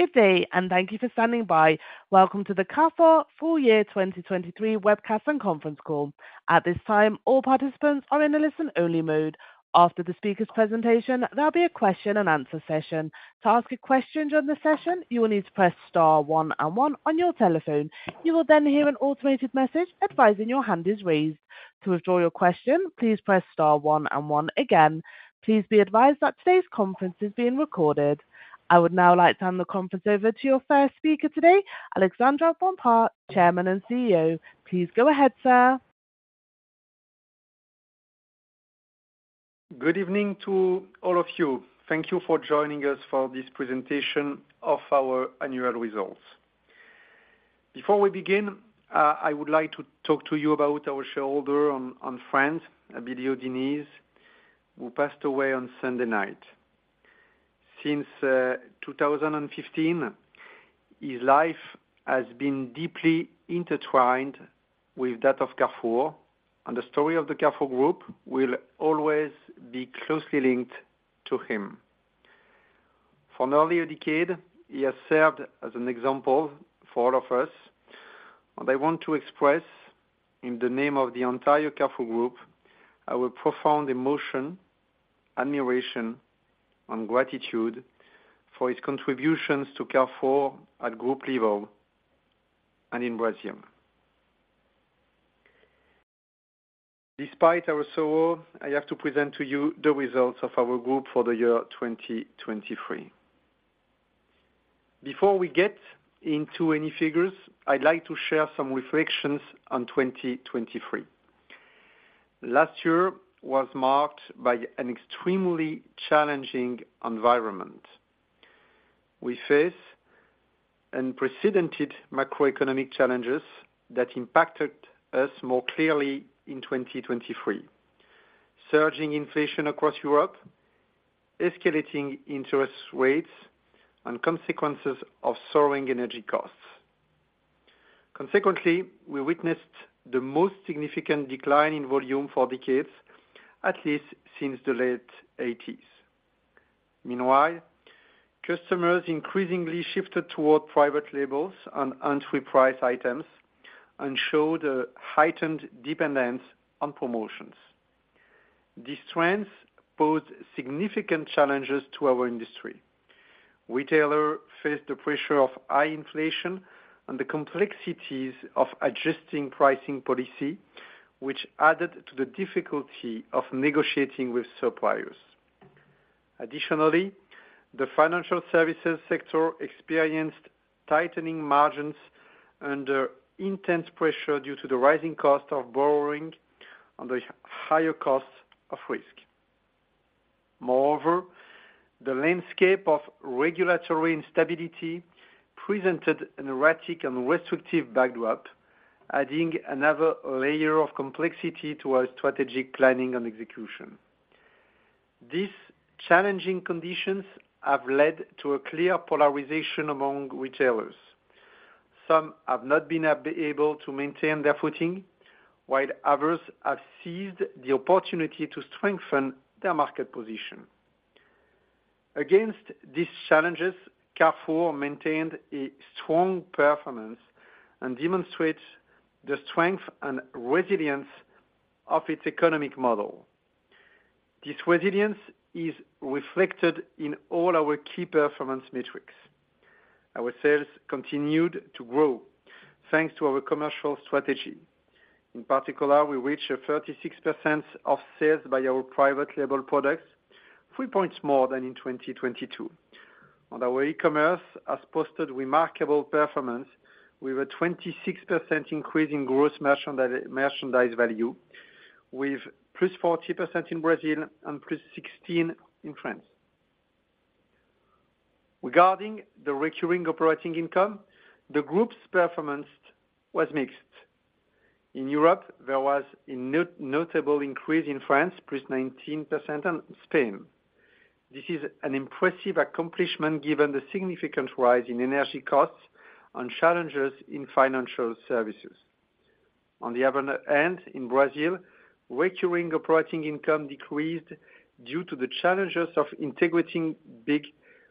Good day, and thank you for standing by. Welcome to the Carrefour Full Year 2023 Webcast and Conference Call. At this time, all participants are in a listen-only mode. After the speaker's presentation, there'll be a question and answer session. To ask a question during the session, you will need to press star one and one on your telephone. You will then hear an automated message advising your hand is raised. To withdraw your question, please press star one and one again. Please be advised that today's conference is being recorded. I would now like to hand the conference over to your first speaker today, Alexandre Bompard, Chairman and CEO. Please go ahead, sir. Good evening to all of you. Thank you for joining us for this presentation of our annual results. Before we begin, I would like to talk to you about our shareholder and friend, Abilio Diniz, who passed away on Sunday night. Since 2015, his life has been deeply intertwined with that of Carrefour, and the story of the Carrefour Group will always be closely linked to him. For an earlier decade, he has served as an example for all of us, and I want to express, in the name of the entire Carrefour Group, our profound emotion, admiration, and gratitude for his contributions to Carrefour at group level and in Brazil. Despite our sorrow, I have to present to you the results of our group for the year 2023. Before we get into any figures, I'd like to share some reflections on 2023. Last year was marked by an extremely challenging environment. We face unprecedented macroeconomic challenges that impacted us more clearly in 2023: surging inflation across Europe, escalating interest rates, and consequences of soaring energy costs. Consequently, we witnessed the most significant decline in volume for decades, at least since the late '80s. Meanwhile, customers increasingly shifted toward private labels and entry price items and showed a heightened dependence on promotions. These trends pose significant challenges to our industry. Retailer faced the pressure of high inflation and the complexities of adjusting pricing policy, which added to the difficulty of negotiating with suppliers. Additionally, the financial services sector experienced tightening margins under intense pressure due to the rising cost of borrowing and the higher costs of risk. Moreover, the landscape of regulatory instability presented an erratic and restrictive backdrop, adding another layer of complexity to our strategic planning and execution. These challenging conditions have led to a clear polarization among retailers. Some have not been able to maintain their footing, while others have seized the opportunity to strengthen their market position. Against these challenges, Carrefour maintained a strong performance and demonstrates the strength and resilience of its economic model. This resilience is reflected in all our key performance metrics. Our sales continued to grow thanks to our commercial strategy. In particular, we reached 36% of sales by our private label products, 3 points more than in 2022. On our e-commerce, has posted remarkable performance with a 26% increase in gross merchandise value, with +40% in Brazil and +16% in France. Regarding the recurring operating income, the group's performance was mixed. In Europe, there was a notable increase in France, plus 19% on Spain. This is an impressive accomplishment given the significant rise in energy costs and challenges in financial services. On the other hand, in Brazil, recurring operating income decreased due to the challenges of integrating BIG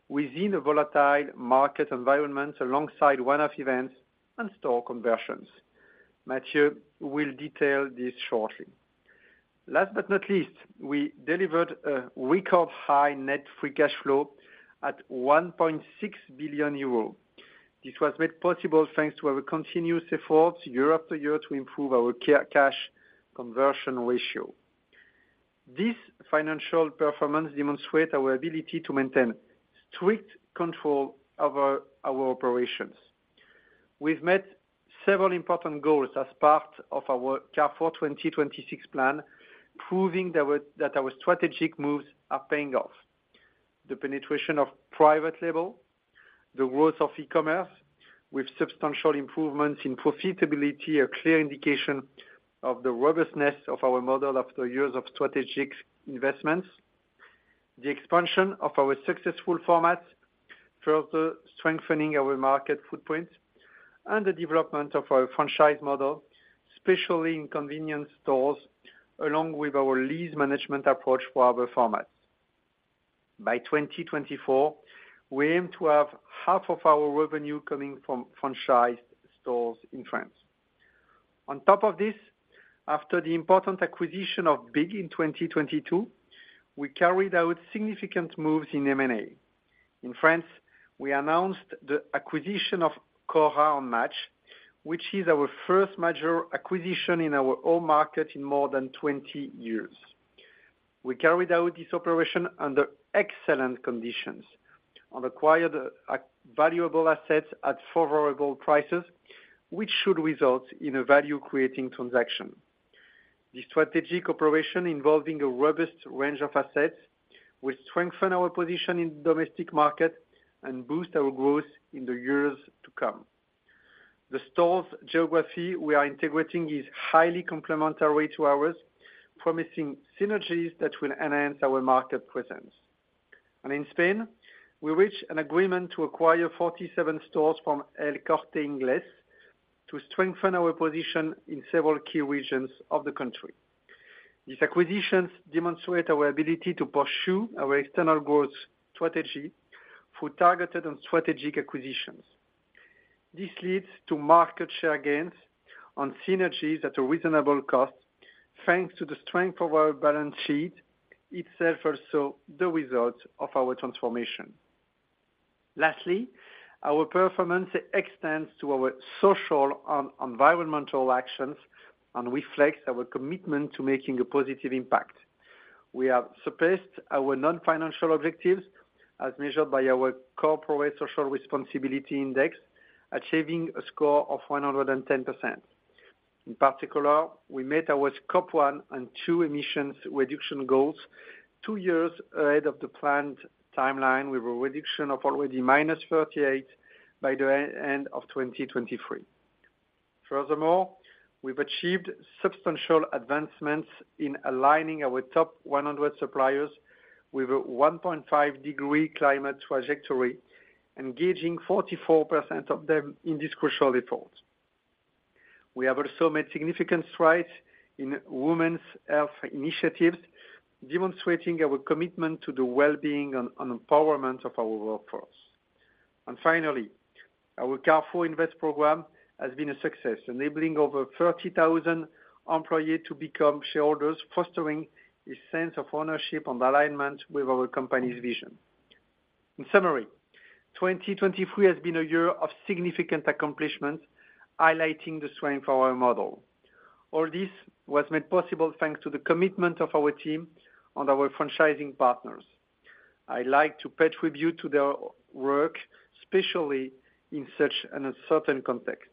within a volatile market environment, alongside one-off events and store conversions. Matthieu will detail this shortly. Last but not least, we delivered a record-high Net Free Cash Flow at 1.6 billion euro. This was made possible thanks to our continuous efforts year after year to improve our cash conversion ratio. This financial performance demonstrate our ability to maintain strict control over our operations. We've met several important goals as part of our Carrefour 2026 plan, proving that that our strategic moves are paying off. The penetration of private label, the growth of e-commerce with substantial improvements in profitability, a clear indication of the robustness of our model after years of strategic investments. The expansion of our successful formats, further strengthening our market footprint... and the development of our franchise model, especially in convenience stores, along with our lease management approach for other formats. By 2024, we aim to have half of our revenue coming from franchised stores in France. On top of this, after the important acquisition of BIG in 2022, we carried out significant moves in M&A. In France, we announced the acquisition of Cora and Match, which is our first major acquisition in our own market in more than 20 years. We carried out this operation under excellent conditions and acquired valuable assets at favorable prices, which should result in a value-creating transaction. The strategic operation, involving a robust range of assets, will strengthen our position in the domestic market and boost our growth in the years to come. The store's geography we are integrating is highly complementary to ours, promising synergies that will enhance our market presence. In Spain, we reached an agreement to acquire 47 stores from El Corte Inglés to strengthen our position in several key regions of the country. These acquisitions demonstrate our ability to pursue our external growth strategy through targeted and strategic acquisitions. This leads to market share gains on synergies at a reasonable cost, thanks to the strength of our balance sheet, itself also the result of our transformation. Lastly, our performance extends to our social and environmental actions and reflects our commitment to making a positive impact. We have surpassed our non-financial objectives as measured by our CSR Index, achieving a score of 110%. In particular, we met our Scope 1 and 2 emissions reduction goals two years ahead of the planned timeline, with a reduction of already -38% by the end of 2023. Furthermore, we've achieved substantial advancements in aligning our top 100 suppliers with a 1.5-degree climate trajectory, engaging 44% of them in this crucial effort. We have also made significant strides in women's health initiatives, demonstrating our commitment to the well-being and empowerment of our workforce. And finally, our Carrefour Invest program has been a success, enabling over 30,000 employees to become shareholders, fostering a sense of ownership and alignment with our company's vision. In summary, 2023 has been a year of significant accomplishment, highlighting the strength of our model. All this was made possible thanks to the commitment of our team and our franchising partners. I'd like to pay tribute to their work, especially in such an uncertain context.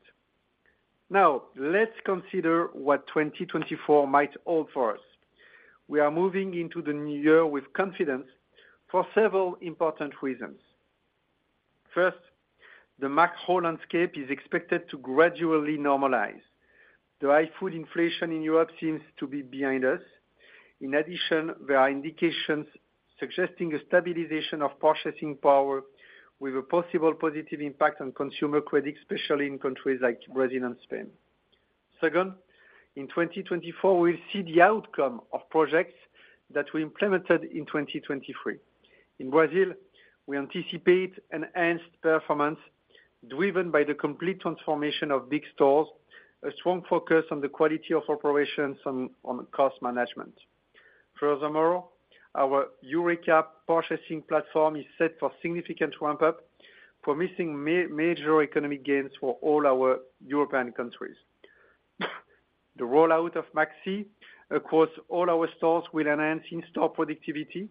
Now, let's consider what 2024 might hold for us. We are moving into the new year with confidence for several important reasons. First, the macro landscape is expected to gradually normalize. The high food inflation in Europe seems to be behind us. In addition, there are indications suggesting a stabilization of purchasing power with a possible positive impact on consumer credit, especially in countries like Brazil and Spain. Second, in 2024, we'll see the outcome of projects that we implemented in 2023. In Brazil, we anticipate enhanced performance, driven by the complete transformation of BIG stores, a strong focus on the quality of operations on cost management. Furthermore, our Eureca purchasing platform is set for significant ramp-up, promising major economic gains for all our European countries. The rollout of Maxi across all our stores will enhance in-store productivity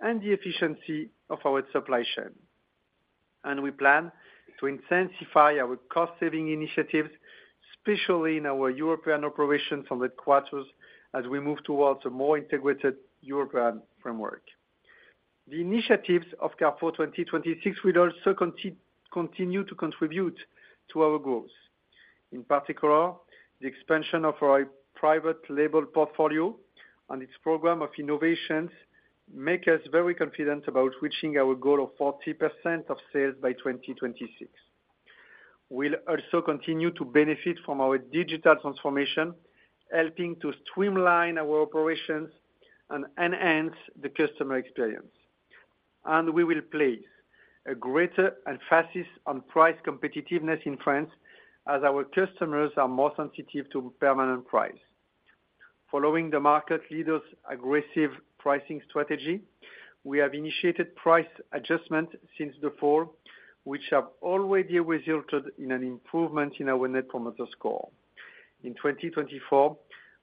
and the efficiency of our supply chain. We plan to intensify our cost-saving initiatives, especially in our European operations from the headquarters, as we move towards a more integrated European framework. The initiatives of Carrefour 2026 will also continue to contribute to our goals. In particular, the expansion of our private label portfolio and its program of innovations make us very confident about reaching our goal of 40% of sales by 2026. We'll also continue to benefit from our digital transformation, helping to streamline our operations and enhance the customer experience. We will place a greater emphasis on price competitiveness in France as our customers are more sensitive to permanent price. Following the market leader's aggressive pricing strategy, we have initiated price adjustments since the fall, which have already resulted in an improvement in our Net Promoter Score. In 2024,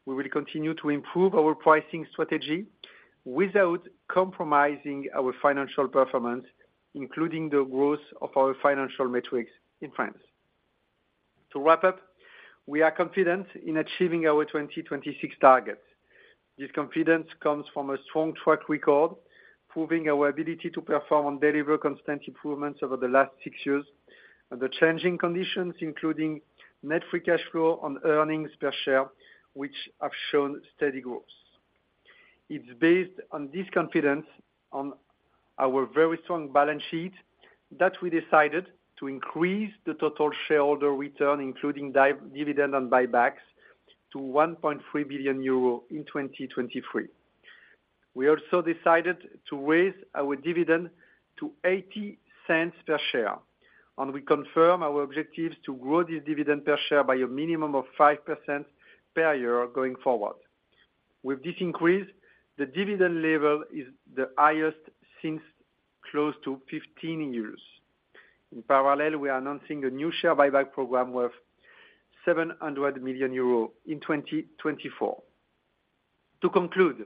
we will continue to improve our pricing strategy without compromising our financial performance, including the growth of our financial metrics in France. To wrap up, we are confident in achieving our 2026 targets. This confidence comes from a strong track record, proving our ability to perform and deliver constant improvements over the last six years, and the changing conditions, including Net Free Cash Flow and earnings per share, which have shown steady growth.... It's based on this confidence on our very strong balance sheet, that we decided to increase the total shareholder return, including dividend and buybacks, to 1.3 billion euro in 2023. We also decided to raise our dividend to 0.80 per share, and we confirm our objectives to grow this dividend per share by a minimum of 5% per year going forward. With this increase, the dividend level is the highest since close to 15 years. In parallel, we are announcing a new share buyback program worth 700 million euros in 2024. To conclude,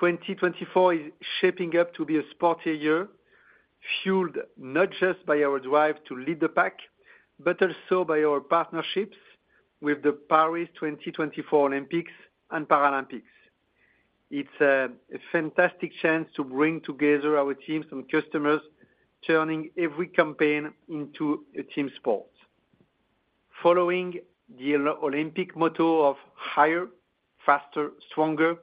2024 is shaping up to be a sporty year, fueled not just by our drive to lead the pack, but also by our partnerships with the Paris 2024 Olympics and Paralympics. It's a fantastic chance to bring together our teams and customers, turning every campaign into a team sport. Following the Olympic motto of higher, faster, stronger,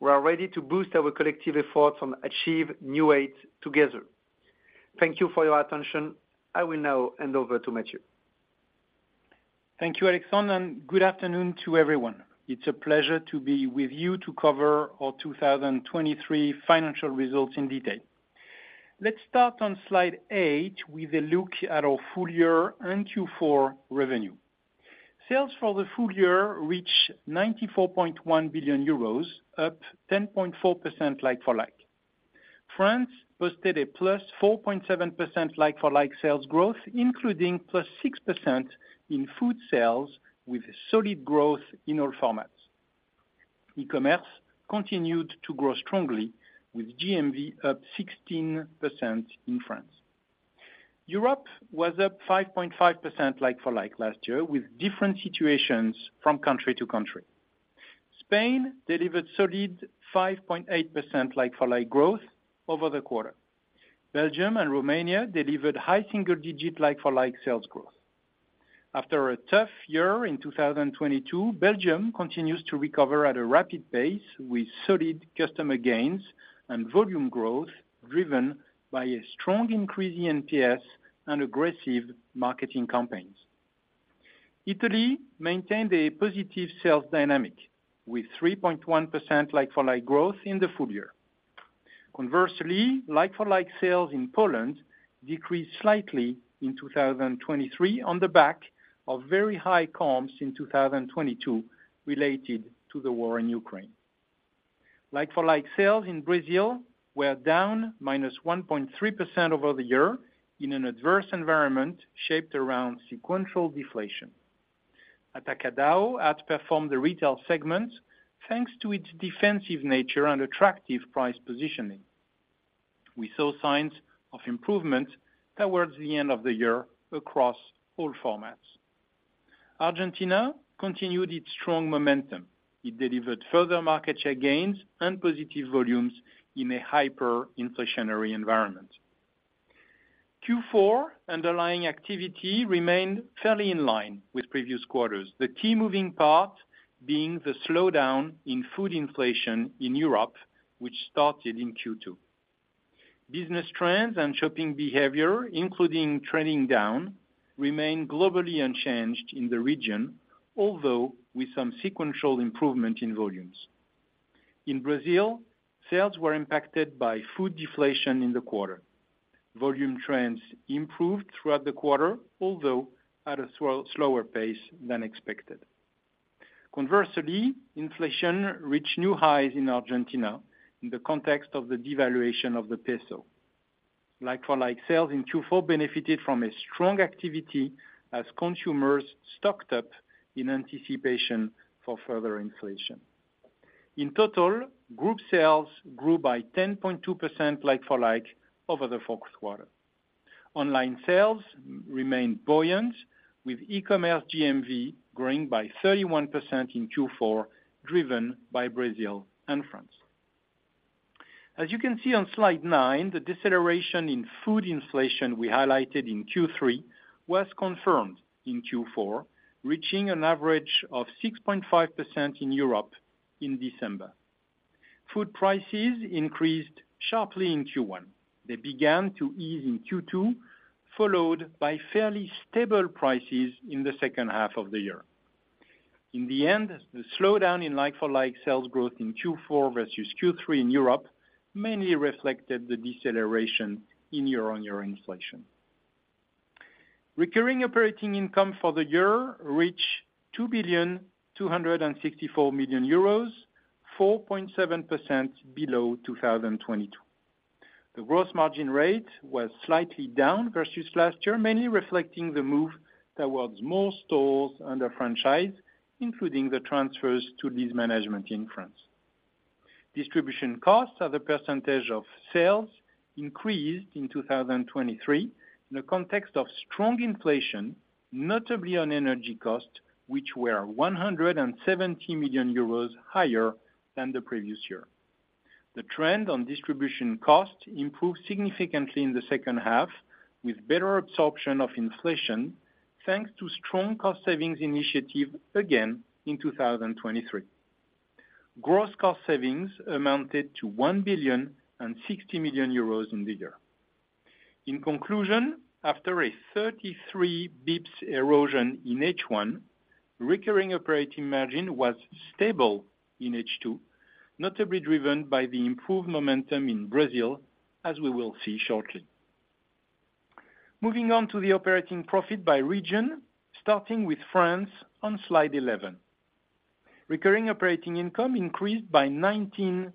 we are ready to boost our collective efforts and achieve new heights together. Thank you for your attention. I will now hand over to Matthieu. Thank you, Alexandre, and good afternoon to everyone. It's a pleasure to be with you to cover our 2023 financial results in detail. Let's start on Slide eight with a look at our full year and Q4 revenue. Sales for the full year reached 94.1 billion euros, up 10.4% like-for-like. France posted a +4.7% like-for-like sales growth, including +6% in food sales, with solid growth in all formats. E-commerce continued to grow strongly with GMV, up 16% in France. Europe was up 5.5% like-for-like last year, with different situations from country to country. Spain delivered solid 5.8% like-for-like growth over the quarter. Belgium and Romania delivered high single-digit like-for-like sales growth. After a tough year in 2022, Belgium continues to recover at a rapid pace, with solid customer gains and volume growth, driven by a strong increase in NPS and aggressive marketing campaigns. Italy maintained a positive sales dynamic, with 3.1% like-for-like growth in the full year. Conversely, like-for-like sales in Poland decreased slightly in 2023 on the back of very high comps in 2022 related to the war in Ukraine. Like-for-like sales in Brazil were down -1.3% over the year in an adverse environment shaped around sequential deflation. Atacadão outperformed the retail segment, thanks to its defensive nature and attractive price positioning. We saw signs of improvement towards the end of the year across all formats. Argentina continued its strong momentum. It delivered further market share gains and positive volumes in a hyperinflationary environment. Q4 underlying activity remained fairly in line with previous quarters, the key moving part being the slowdown in food inflation in Europe, which started in Q2. Business trends and shopping behavior, including trading down, remained globally unchanged in the region, although with some sequential improvement in volumes. In Brazil, sales were impacted by food deflation in the quarter. Volume trends improved throughout the quarter, although at a slow, slower pace than expected. Conversely, inflation reached new highs in Argentina in the context of the devaluation of the peso. Like-for-like sales in Q4 benefited from a strong activity as consumers stocked up in anticipation for further inflation. In total, group sales grew by 10.2% like-for-like over the fourth quarter. Online sales remained buoyant, with e-commerce GMV growing by 31% in Q4, driven by Brazil and France. As you can see on Slide nine, the deceleration in food inflation we highlighted in Q3 was confirmed in Q4, reaching an average of 6.5% in Europe in December. Food prices increased sharply in Q1. They began to ease in Q2, followed by fairly stable prices in the second half of the year. In the end, the slowdown in like-for-like sales growth in Q4 versus Q3 in Europe mainly reflected the deceleration in year-on-year inflation. Recurring operating income for the year reached 2,264 million euros, 4.7% below 2022. The gross margin rate was slightly down versus last year, mainly reflecting the move towards more stores under franchise, including the transfers to lease management in France. Distribution costs as a percentage of sales increased in 2023 in the context of strong inflation, notably on energy costs, which were 170 million euros higher than the previous year. The trend on distribution costs improved significantly in the second half, with better absorption of inflation, thanks to strong cost savings initiative again in 2023. Gross cost savings amounted to 1.06 billion in the year. In conclusion, after a 33 basis points erosion in H1, recurring operating margin was stable in H2, notably driven by the improved momentum in Brazil, as we will see shortly. Moving on to the operating profit by region, starting with France on Slide 11. Recurring operating income increased by 19%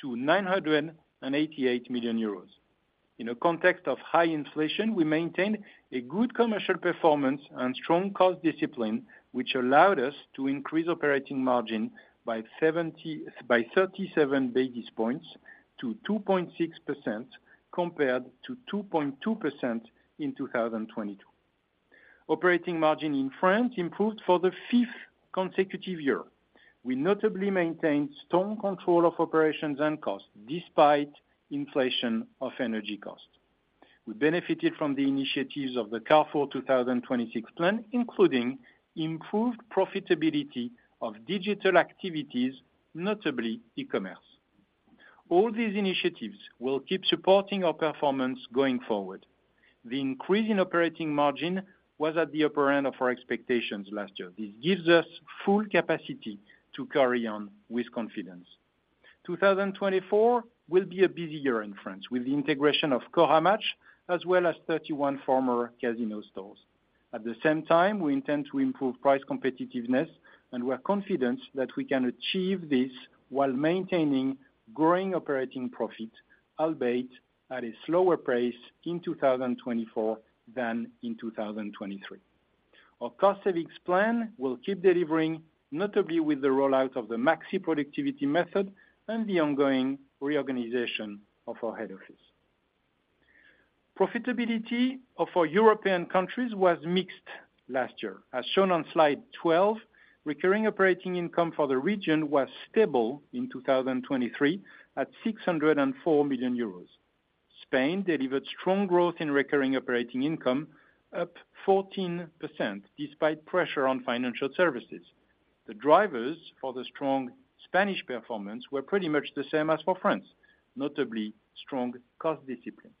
to 988 million euros. In a context of high inflation, we maintained a good commercial performance and strong cost discipline, which allowed us to increase operating margin by 37 basis points to 2.6%, compared to 2.2% in 2022. Operating margin in France improved for the fifth consecutive year. We notably maintained strong control of operations and costs, despite inflation of energy costs. We benefited from the initiatives of the Carrefour 2026 plan, including improved profitability of digital activities, notably e-commerce. All these initiatives will keep supporting our performance going forward. The increase in operating margin was at the upper end of our expectations last year. This gives us full capacity to carry on with confidence. 2024 will be a busy year in France, with the integration of Cora and Match, as well as 31 former Casino stores. At the same time, we intend to improve price competitiveness, and we are confident that we can achieve this while maintaining growing operating profit, albeit at a slower pace in 2024 than in 2023. Our cost savings plan will keep delivering, notably with the rollout of the Maxi productivity method and the ongoing reorganization of our head office. Profitability of our European countries was mixed last year. As shown on Slide 12, recurring operating income for the region was stable in 2023, at 604 million euros. Spain delivered strong growth in recurring operating income, up 14%, despite pressure on financial services. The drivers for the strong Spanish performance were pretty much the same as for France, notably strong cost discipline.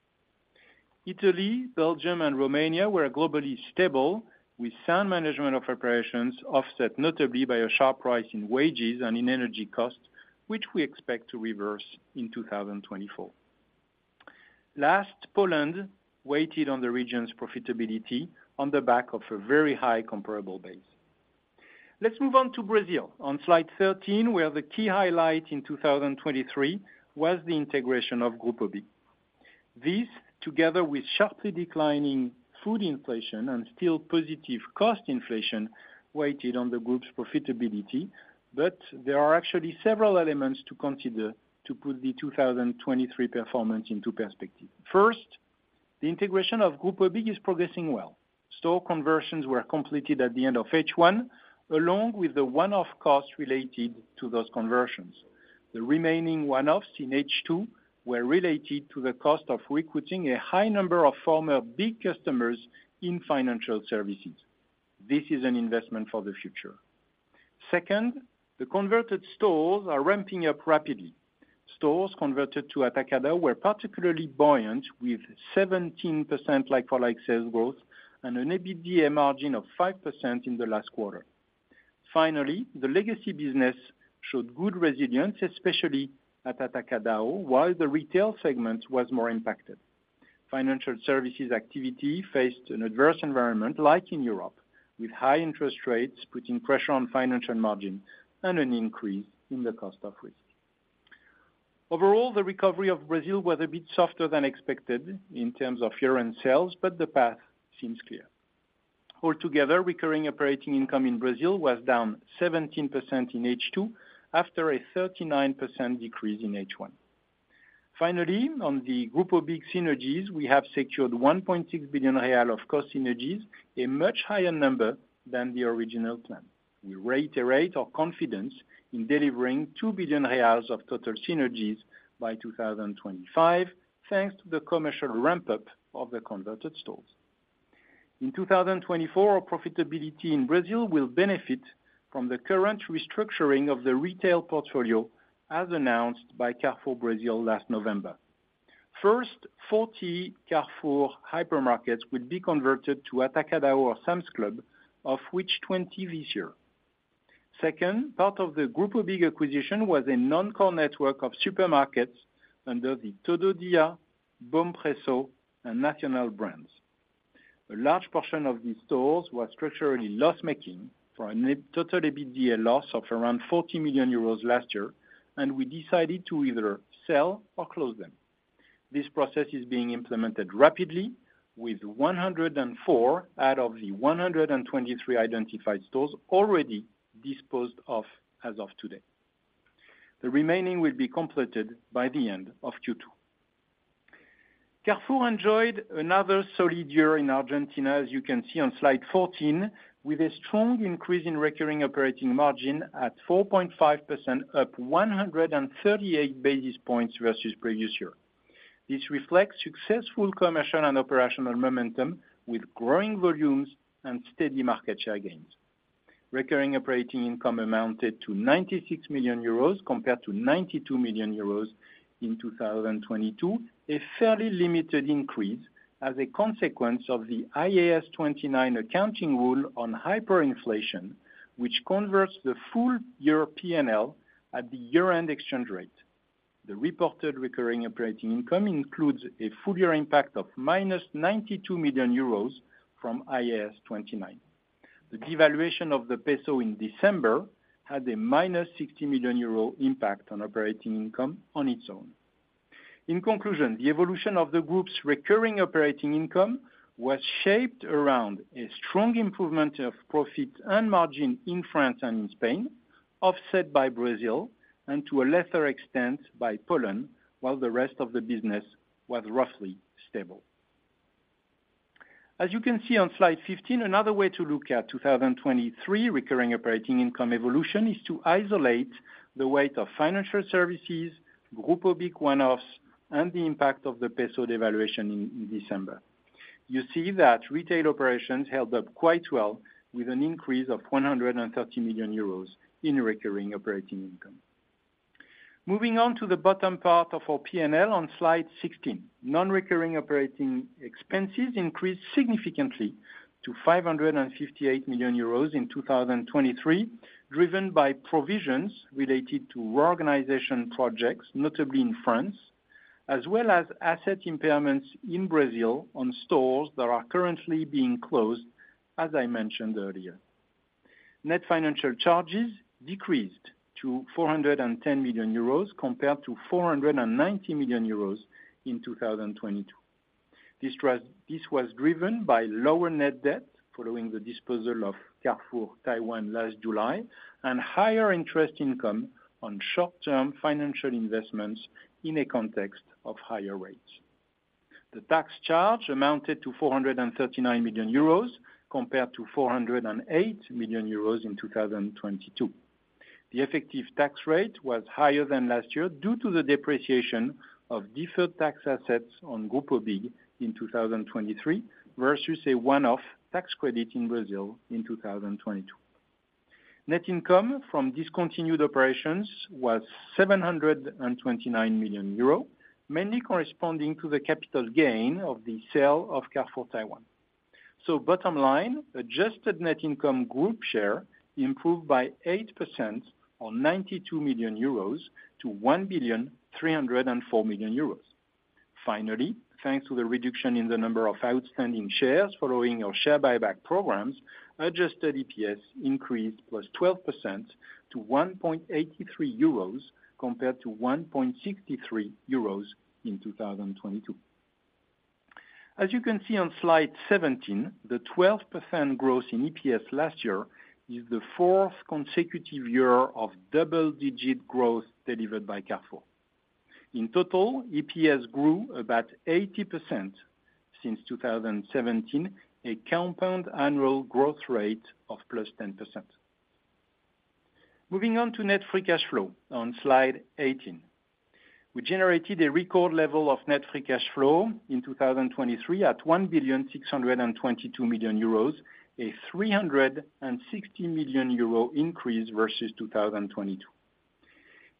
Italy, Belgium, and Romania were globally stable, with sound management of operations offset notably by a sharp rise in wages and in energy costs, which we expect to reverse in 2024. Last, Poland weighed on the region's profitability on the back of a very high comparable base. Let's move on to Brazil. On Slide 13, where the key highlight in 2023 was the integration of Grupo BIG. This, together with sharply declining food inflation and still positive cost inflation, weighed on the group's profitability, but there are actually several elements to consider to put the 2023 performance into perspective. First, the integration of Grupo BIG is progressing well. Store conversions were completed at the end of H1, along with the one-off costs related to those conversions. The remaining one-offs in H2 were related to the cost of recruiting a high number of former BIG customers in financial services. This is an investment for the future. Second, the converted stores are ramping up rapidly. Stores converted to Atacadão were particularly buoyant, with 17% like-for-like sales growth and an EBITDA margin of 5% in the last quarter. Finally, the legacy business showed good resilience, especially at Atacadão, while the retail segment was more impacted. Financial services activity faced an adverse environment, like in Europe, with high interest rates, putting pressure on financial margin and an increase in the cost of risk. Overall, the recovery of Brazil was a bit softer than expected in terms of year-end sales, but the path seems clear. Altogether, recurring operating income in Brazil was down 17% in H2, after a 39% decrease in H1. Finally, on the Grupo BIG synergies, we have secured 1.6 billion real of cost synergies, a much higher number than the original plan. We reiterate our confidence in delivering 2 billion reais of total synergies by 2025, thanks to the commercial ramp-up of the converted stores. In 2024, our profitability in Brazil will benefit from the current restructuring of the retail portfolio, as announced by Carrefour Brazil last November. First, 40 Carrefour hypermarkets will be converted to Atacadão or Sam's Club, of which 20 this year. Second, part of the Grupo BIG acquisition was a non-core network of supermarkets under the TodoDia, Bompreço, and Nacional brands. A large portion of these stores were structurally loss-making for a net total EBITDA loss of around 40 million euros last year, and we decided to either sell or close them. This process is being implemented rapidly, with 104 out of the 123 identified stores already disposed of as of today. The remaining will be completed by the end of Q2. Carrefour enjoyed another solid year in Argentina, as you can see on Slide 14, with a strong increase in recurring operating margin at 4.5%, up 138 basis points versus previous year. This reflects successful commercial and operational momentum with growing volumes and steady market share gains. Recurring operating income amounted to 96 million euros compared to 92 million euros in 2022, a fairly limited increase as a consequence of the IAS 29 accounting rule on hyperinflation, which converts the full year PNL at the year-end exchange rate. The reported recurring operating income includes a full year impact of -92 million euros from IAS 29. The devaluation of the peso in December had a -60 million euro impact on operating income on its own. In conclusion, the evolution of the group's recurring operating income was shaped around a strong improvement of profit and margin in France and in Spain, offset by Brazil, and to a lesser extent, by Poland, while the rest of the business was roughly stable. As you can see on Slide 15, another way to look at 2023 recurring operating income evolution is to isolate the weight of financial services, Grupo BIG one-offs, and the impact of the peso devaluation in December. You see that retail operations held up quite well, with an increase of 130 million euros in recurring operating income. Moving on to the bottom part of our PNL on Slide 16. Non-recurring operating expenses increased significantly to 558 million euros in 2023, driven by provisions related to reorganization projects, notably in France, as well as asset impairments in Brazil on stores that are currently being closed, as I mentioned earlier. Net financial charges decreased to 410 million euros compared to 490 million euros in 2022. This was driven by lower net debt following the disposal of Carrefour Taiwan last July, and higher interest income on short-term financial investments in a context of higher rates. The tax charge amounted to 439 million euros, compared to 408 million euros in 2022. The effective tax rate was higher than last year due to the depreciation of deferred tax assets on Grupo BIG in 2023, versus a one-off tax credit in Brazil in 2022. Net income from discontinued operations was 729 million euro, mainly corresponding to the capital gain of the sale of Carrefour Taiwan. So bottom line, adjusted net income group share improved by 8% on 92 million euros to 1,304 million euros. Finally, thanks to the reduction in the number of outstanding shares following our share buyback programs, adjusted EPS increased +12% to 1.83 euros, compared to 1.63 euros in 2022. As you can see on Slide 17, the 12% growth in EPS last year is the fourth consecutive year of double-digit growth delivered by Carrefour. In total, EPS grew about 80% since 2017, a compound annual growth rate of +10%. Moving on to Net Free Cash Flow on Slide 18. We generated a record level of Net Free Cash Flow in 2023, at 1,622 million euros, a 360 million euro increase versus 2022.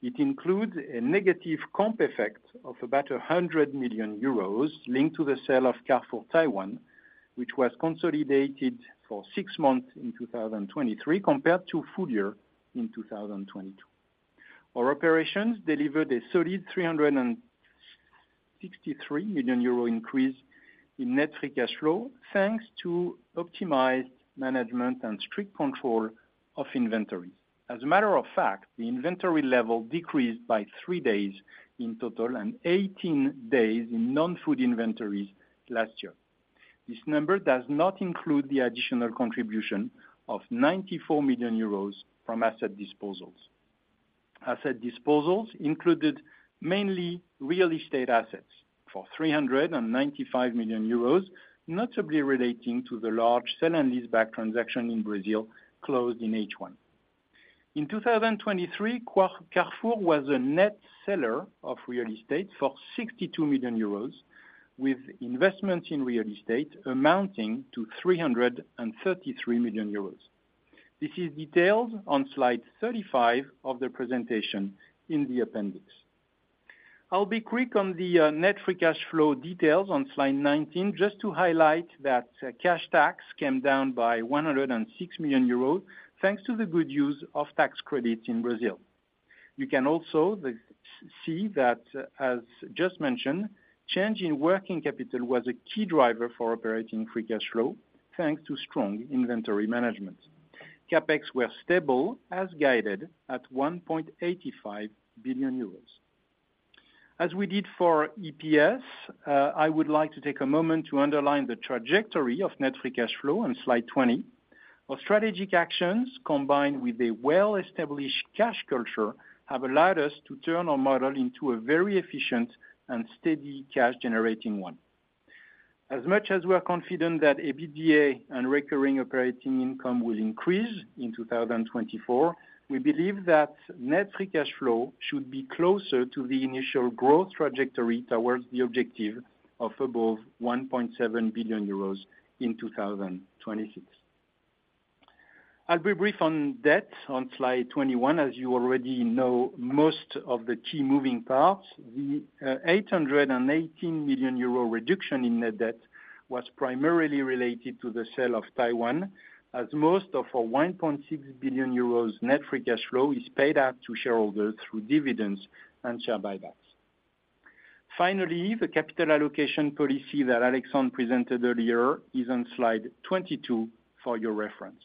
It includes a negative comp effect of about 100 million euros linked to the sale of Carrefour Taiwan, which was consolidated for 6 months in 2023, compared to full year in 2022. Our operations delivered a solid 363 million euro increase in Net Free Cash Flow, thanks to optimized management and strict control of inventory. As a matter of fact, the inventory level decreased by 3 days in total, and 18 days in non-food inventories last year. This number does not include the additional contribution of 94 million euros from asset disposals. Asset disposals included mainly real estate assets for 395 million euros, notably relating to the large sell and leaseback transaction in Brazil, closed in H1. In 2023, Carrefour was a net seller of real estate for 62 million euros, with investments in real estate amounting to 333 million euros. This is detailed on Slide 35 of the presentation in the appendix. I'll be quick on the Net Free Cash Flow details on Slide 19, just to highlight that cash tax came down by 106 million euros, thanks to the good use of tax credits in Brazil. You can also see that, as just mentioned, change in working capital was a key driver for operating free cash flow, thanks to strong inventory management. CapEx were stable as guided at 1.85 billion euros. As we did for EPS, I would like to take a moment to underline the trajectory of Net Free Cash Flow on Slide 20. Our strategic actions, combined with a well-established cash culture, have allowed us to turn our model into a very efficient and steady cash-generating one. As much as we are confident that EBITDA and recurring operating income will increase in 2024, we believe that Net Free Cash Flow should be closer to the initial growth trajectory towards the objective of above 1.7 billion euros in 2026. I'll be brief on debt, on Slide 21. As you already know, most of the key moving parts, the 818 million euro reduction in net debt was primarily related to the sale of Taiwan, as most of our 1.6 billion euros Net Free Cash Flow is paid out to shareholders through dividends and share buybacks. Finally, the capital allocation policy that Alexandre presented earlier is on Slide 22, for your reference.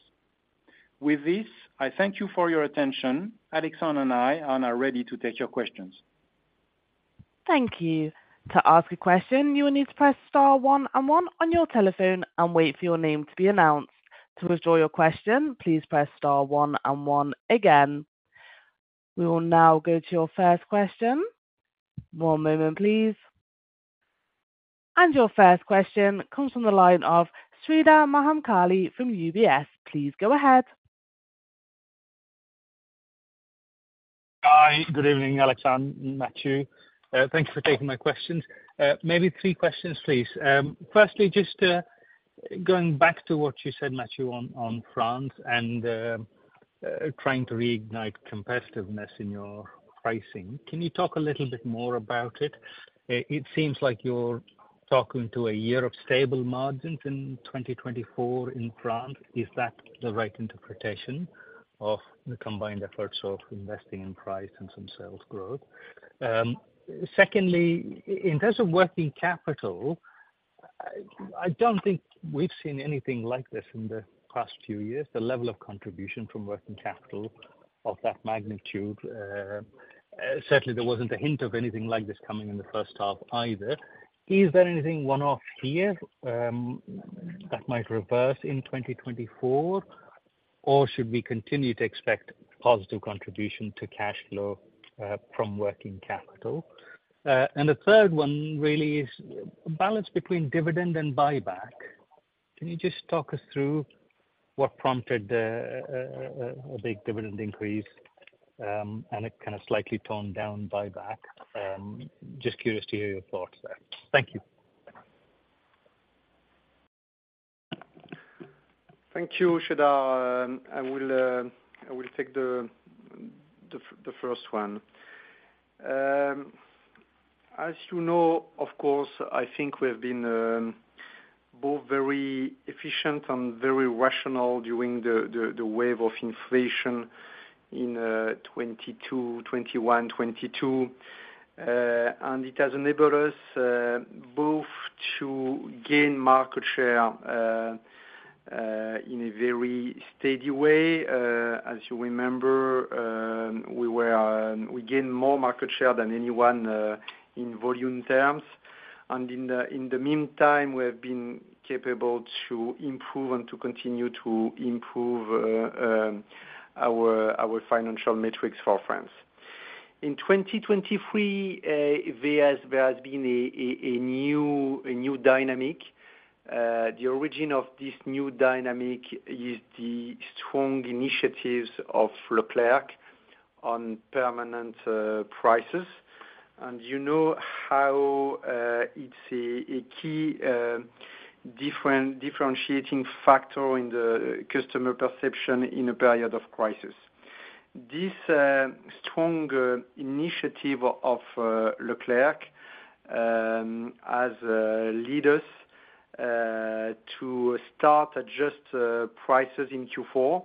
With this, I thank you for your attention. Alexandre and I are now ready to take your questions. Thank you. To ask a question, you will need to press star one and one on your telephone and wait for your name to be announced. To withdraw your question, please press star one and one again. We will now go to your first question. One moment, please. Your first question comes from the line of Sreedhar Mahamkali from UBS. Please go ahead. Hi. Good evening, Alexandre and Matthieu. Thank you for taking my questions. Maybe three questions, please. Firstly, just going back to what you said, Matthieu, on France and trying to reignite competitiveness in your pricing, can you talk a little bit more about it? It seems like you're talking to a year of stable margins in 2024 in France. Is that the right interpretation of the combined efforts of investing in price and some sales growth? Secondly, in terms of working capital, I don't think we've seen anything like this in the past few years, the level of contribution from working capital of that magnitude. Certainly there wasn't a hint of anything like this coming in the first half either. Is there anything one-off here that might reverse in 2024? Or should we continue to expect positive contribution to cash flow from working capital? And the third one really is balance between dividend and buyback. Can you just talk us through what prompted a big dividend increase, and a kind of slightly toned down buyback? Just curious to hear your thoughts there. Thank you. Thank you, Sreedhar. I will take the first one. As you know, of course, I think we've been both very efficient and very rational during the wave of inflation in 2022, 2021, 2022. And it has enabled us both to gain market share in a very steady way. As you remember, we gained more market share than anyone in volume terms. And in the meantime, we have been capable to improve and to continue to improve our financial metrics for France. In 2023, there has been a new dynamic. The origin of this new dynamic is the strong initiatives of Leclerc on permanent prices. You know how it's a key differentiating factor in the customer perception in a period of crisis. This strong initiative of Leclerc has lead us to start adjust prices in Q4.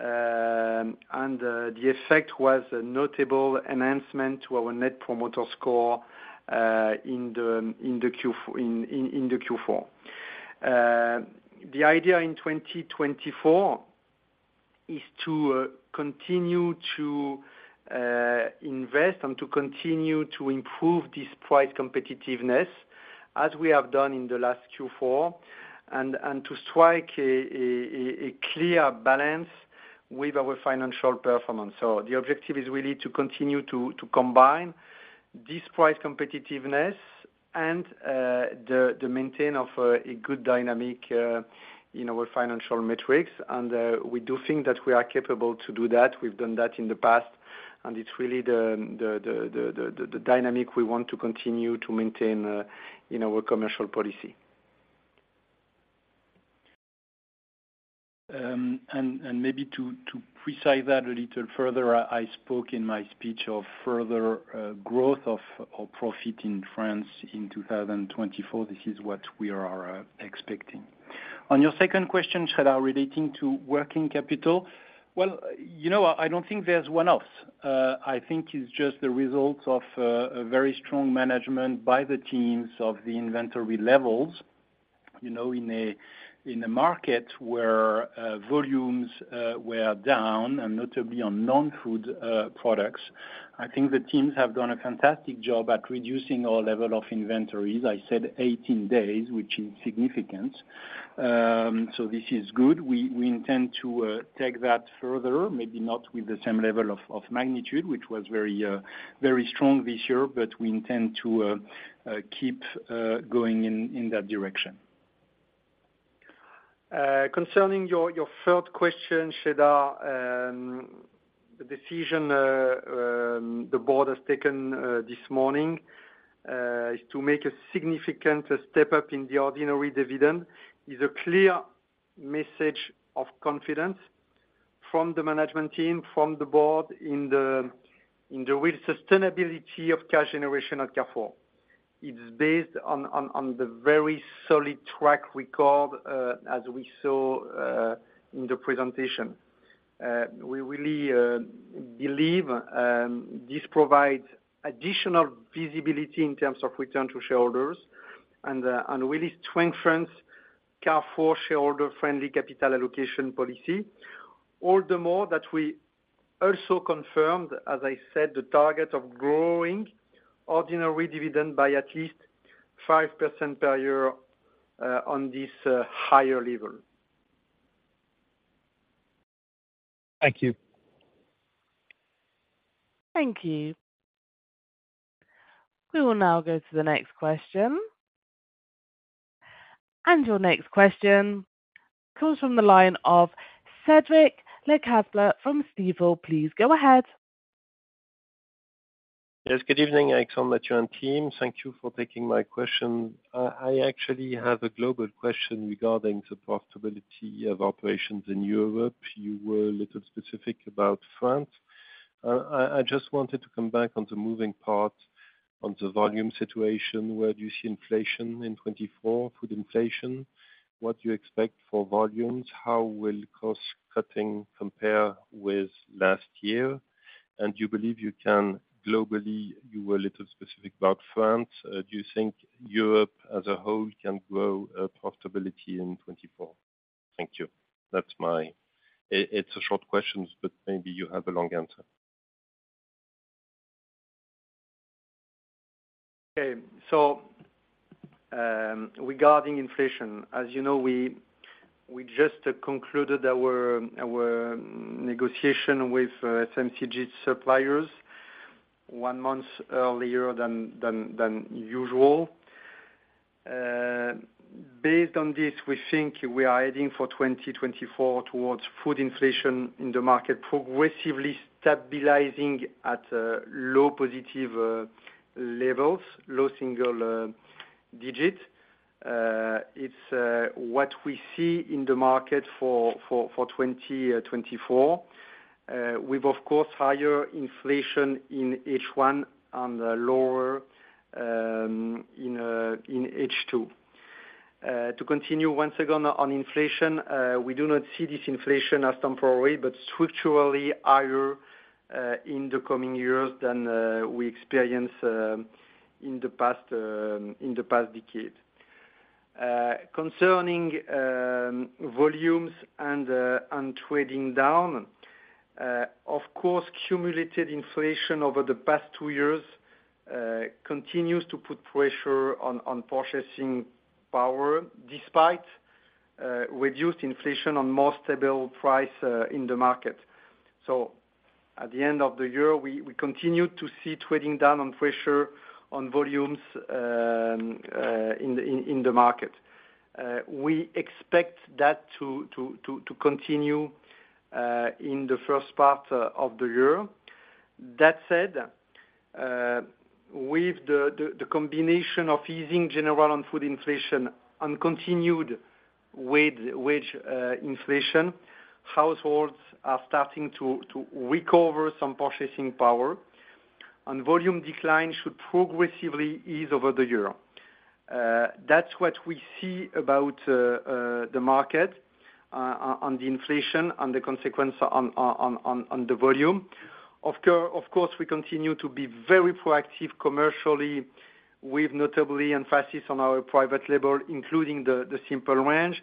And the effect was a notable enhancement to our net promoter score in the Q4. The idea in 2024 is to continue to invest and to continue to improve this price competitiveness, as we have done in the last Q4, and to strike a clear balance with our financial performance. So the objective is really to continue to combine this price competitiveness and the maintain of a good dynamic in our financial metrics. We do think that we are capable to do that. We've done that in the past, and it's really the dynamic we want to continue to maintain in our commercial policy. And maybe to precise that a little further, I spoke in my speech of further growth of profit in France in 2024. This is what we are expecting. On your second question, Sreedhar, relating to working capital, well, you know, I don't think there's one-off. I think it's just the result of a very strong management by the teams of the inventory levels. You know, in a market where volumes were down, and notably on non-food products, I think the teams have done a fantastic job at reducing our level of inventories. I said 18 days, which is significant. So this is good. We intend to take that further, maybe not with the same level of magnitude, which was very strong this year, but we intend to keep going in that direction. Concerning your third question, Sreedhar, the decision the board has taken this morning is to make a significant step up in the ordinary dividend, is a clear message of confidence from the management team, from the board, in the real sustainability of cash generation at Carrefour. It's based on the very solid track record, as we saw, in the presentation. We really believe this provides additional visibility in terms of return to shareholders and really strengthens Carrefour shareholder friendly capital allocation policy. All the more that we also confirmed, as I said, the target of growing ordinary dividend by at least 5% per year, on this, higher level. Thank you. Thank you. We will now go to the next question. Your next question comes from the line of Cédric Lecasble from Stifel. Please go ahead. Yes, good evening, Alexandre, Matthieu, and team. Thank you for taking my question. I actually have a global question regarding the profitability of operations in Europe. You were a little specific about France. I just wanted to come back on the moving part, on the volume situation. Where do you see inflation in 2024, food inflation? What do you expect for volumes? How will cost cutting compare with last year? And do you believe you can globally... You were a little specific about France. Do you think Europe as a whole can grow profitability in 2024? Thank you. That's it. It's a short question, but maybe you have a long answer. Okay. So, regarding inflation, as you know, we just concluded our negotiation with FMCG suppliers one month earlier than usual. Based on this, we think we are heading for 2024 towards food inflation in the market, progressively stabilizing at low positive levels, low single digit. It's what we see in the market for 2024. With, of course, higher inflation in H1 and lower in H2. To continue once again on inflation, we do not see this inflation as temporary, but structurally higher in the coming years than we experienced in the past decade. Concerning volumes and trading down, of course, cumulative inflation over the past two years continues to put pressure on purchasing power, despite reduced inflation on more stable price in the market. So at the end of the year, we continue to see trading down on pressure on volumes in the market. We expect that to continue in the first part of the year. That said, with the combination of easing general and food inflation and continued wage inflation, households are starting to recover some purchasing power, and volume decline should progressively ease over the year. That's what we see about the market on the inflation and the consequence on the volume. Of course, we continue to be very proactive commercially with notable emphasis on our private label, including the Simpl range,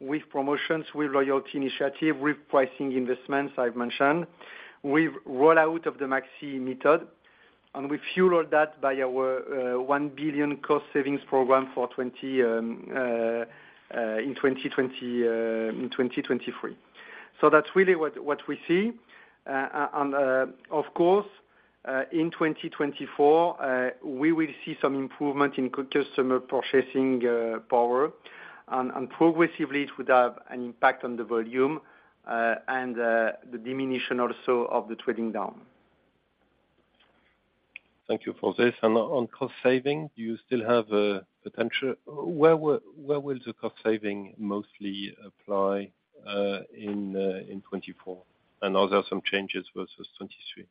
with promotions, with loyalty initiative, with pricing investments I've mentioned, with rollout of the Maxi method, and we fuel all that by our 1 billion cost savings program for 2023. So that's really what we see. And of course, in 2024, we will see some improvement in customer purchasing power, and progressively it would have an impact on the volume, and the diminution also of the trading down. Thank you for this. On cost saving, do you still have a potential? Where will the cost saving mostly apply in 2024, and are there some changes versus 2023?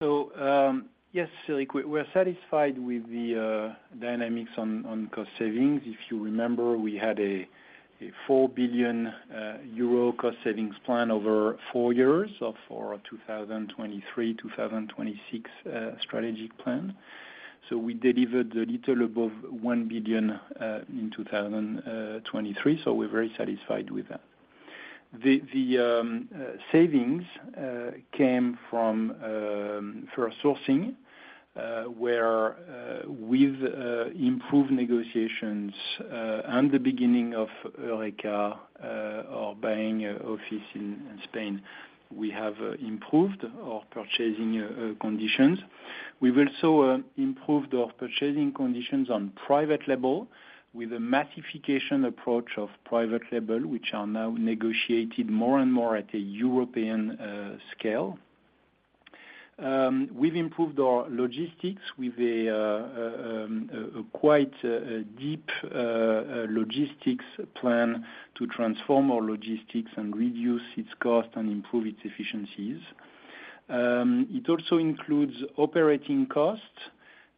So, yes, Cédric, we're satisfied with the dynamics on cost savings. If you remember, we had a 4 billion euro cost savings plan over 4 years of our 2023-2026 strategic plan. So we delivered a little above 1 billion in 2023, so we're very satisfied with that. The savings came from for our sourcing where with improved negotiations and the beginning of Eureca, our buying office in Spain, we have improved our purchasing conditions. We've also improved our purchasing conditions on private label with a massification approach of private label, which are now negotiated more and more at a European scale. We've improved our logistics with a quite deep logistics plan to transform our logistics and reduce its cost and improve its efficiencies. It also includes operating costs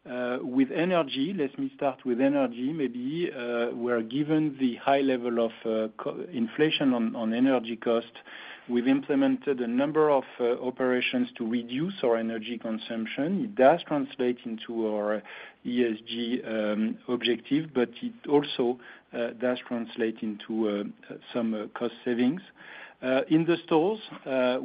with energy. Let me start with energy maybe. Where given the high level of cost inflation on energy costs, we've implemented a number of operations to reduce our energy consumption. It does translate into our ESG objective, but it also does translate into some cost savings. In the stores,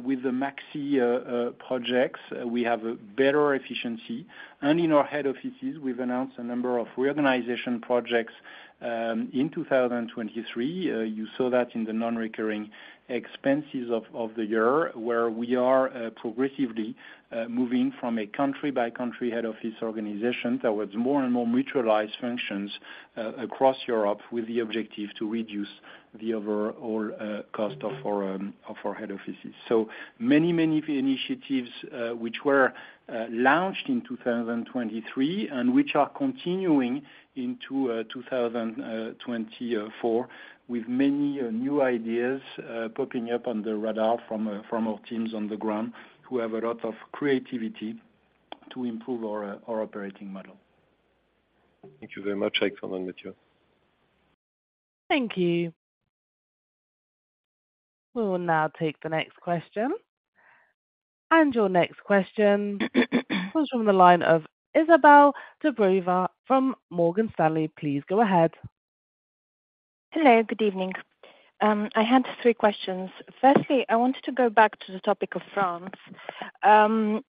with the Maxi projects, we have a better efficiency, and in our head offices, we've announced a number of reorganization projects in 2023. You saw that in the non-recurring expenses of the year, where we are progressively moving from a country by country head office organization towards more and more mutualized functions across Europe, with the objective to reduce the overall cost of our head offices. Many, many initiatives, which were launched in 2023 and which are continuing into 2024, with many new ideas popping up on the radar from our teams on the ground, who have a lot of creativity to improve our operating model. Thank you very much, Alexandre, Bompard and Mathieu. Thank you. We will now take the next question. Your next question comes from the line of Izabel Dobreva from Morgan Stanley. Please go ahead. Hello, good evening. I had three questions. Firstly, I wanted to go back to the topic of France.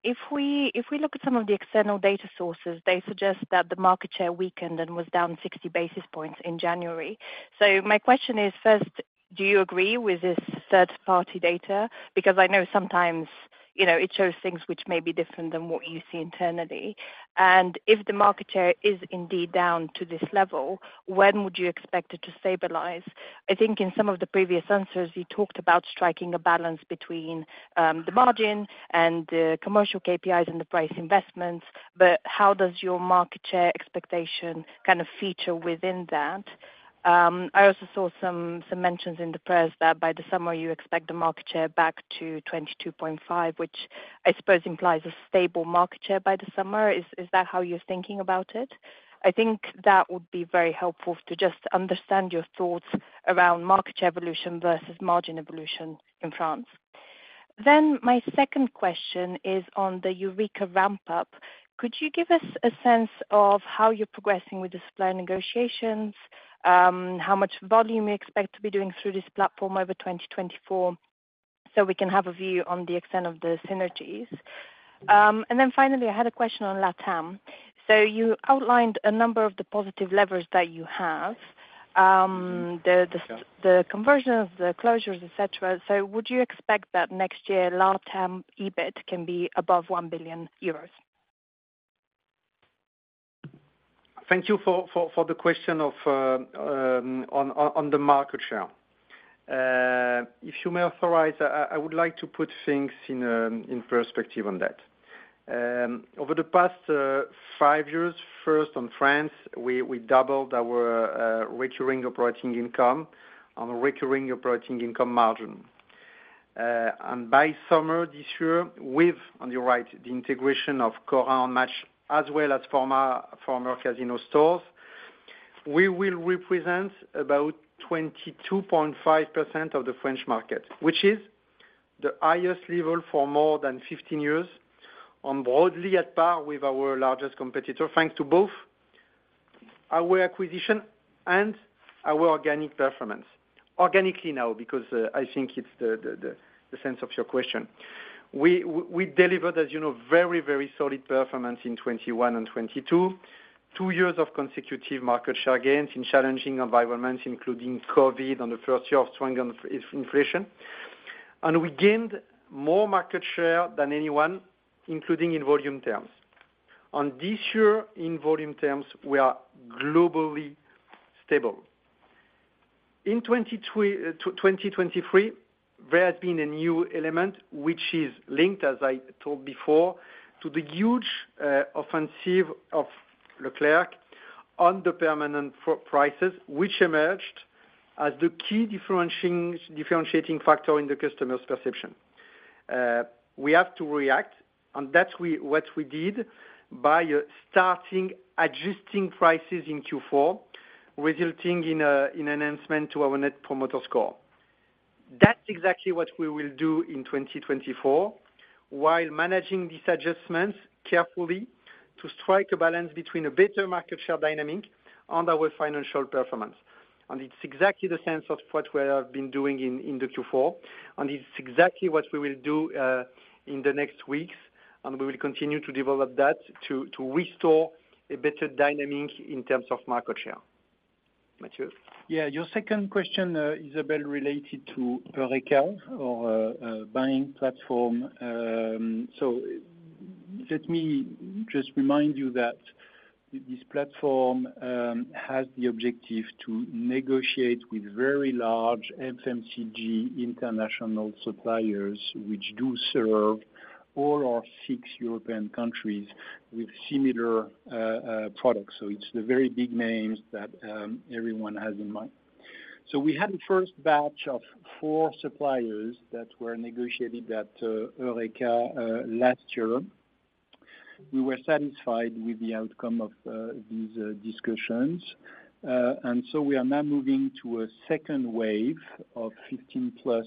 If we, if we look at some of the external data sources, they suggest that the market share weakened and was down 60 basis points in January. So my question is, first, do you agree with this third-party data? Because I know sometimes, you know, it shows things which may be different than what you see internally. And if the market share is indeed down to this level, when would you expect it to stabilize? I think in some of the previous answers, you talked about striking a balance between the margin and the commercial KPIs and the price investments, but how does your market share expectation kind of feature within that? I also saw some mentions in the press that by the summer you expect the market share back to 22.5, which I suppose implies a stable market share by the summer. Is that how you're thinking about it? I think that would be very helpful to just understand your thoughts around market share evolution versus margin evolution in France. Then my second question is on the Eureca ramp-up. Could you give us a sense of how you're progressing with the supplier negotiations? How much volume you expect to be doing through this platform over 2024, so we can have a view on the extent of the synergies. And then finally, I had a question on LatAm. So you outlined a number of the positive levers that you have The conversion of the closures, et cetera. So would you expect that next year, LatAm, EBIT can be above 1 billion euros? Thank you for the question on the market share. If you may authorize, I would like to put things in perspective on that. Over the past 5 years, first on France, we doubled our recurring operating income on a recurring operating income margin. And by summer this year, with the integration of Cora Match, as well as former Casino stores, we will represent about 22.5% of the French market, which is the highest level for more than 15 years, now broadly at par with our largest competitor, thanks to both our acquisition and our organic performance. Organically now, because I think it's the sense of your question. We delivered, as you know, very, very solid performance in 2021 and 2022, two years of consecutive market share gains in challenging environments, including COVID and the first year of strong inflation. We gained more market share than anyone, including in volume terms. On this year, in volume terms, we are globally stable. In 2023, there has been a new element, which is linked, as I told before, to the huge offensive of Leclerc on the permanent prices, which emerged as the key differentiating factor in the customer's perception. We have to react, and that's what we did by starting adjusting prices in Q4, resulting in an enhancement to our net promoter score. That's exactly what we will do in 2024, while managing these adjustments carefully. To strike a balance between a better market share dynamic and our financial performance. It's exactly the sense of what we have been doing in the Q4, and it's exactly what we will do in the next weeks, and we will continue to develop that to restore a better dynamic in terms of market share. Matthieu? Yeah, your second question, Isabelle, related to Eureca or buying platform. So let me just remind you that this platform has the objective to negotiate with very large FMCG international suppliers, which do serve all our six European countries with similar products. So it's the very big names that everyone has in mind. So we had a first batch of 4 suppliers that were negotiated at Eureca last year. We were satisfied with the outcome of these discussions. And so we are now moving to a second wave of 15 plus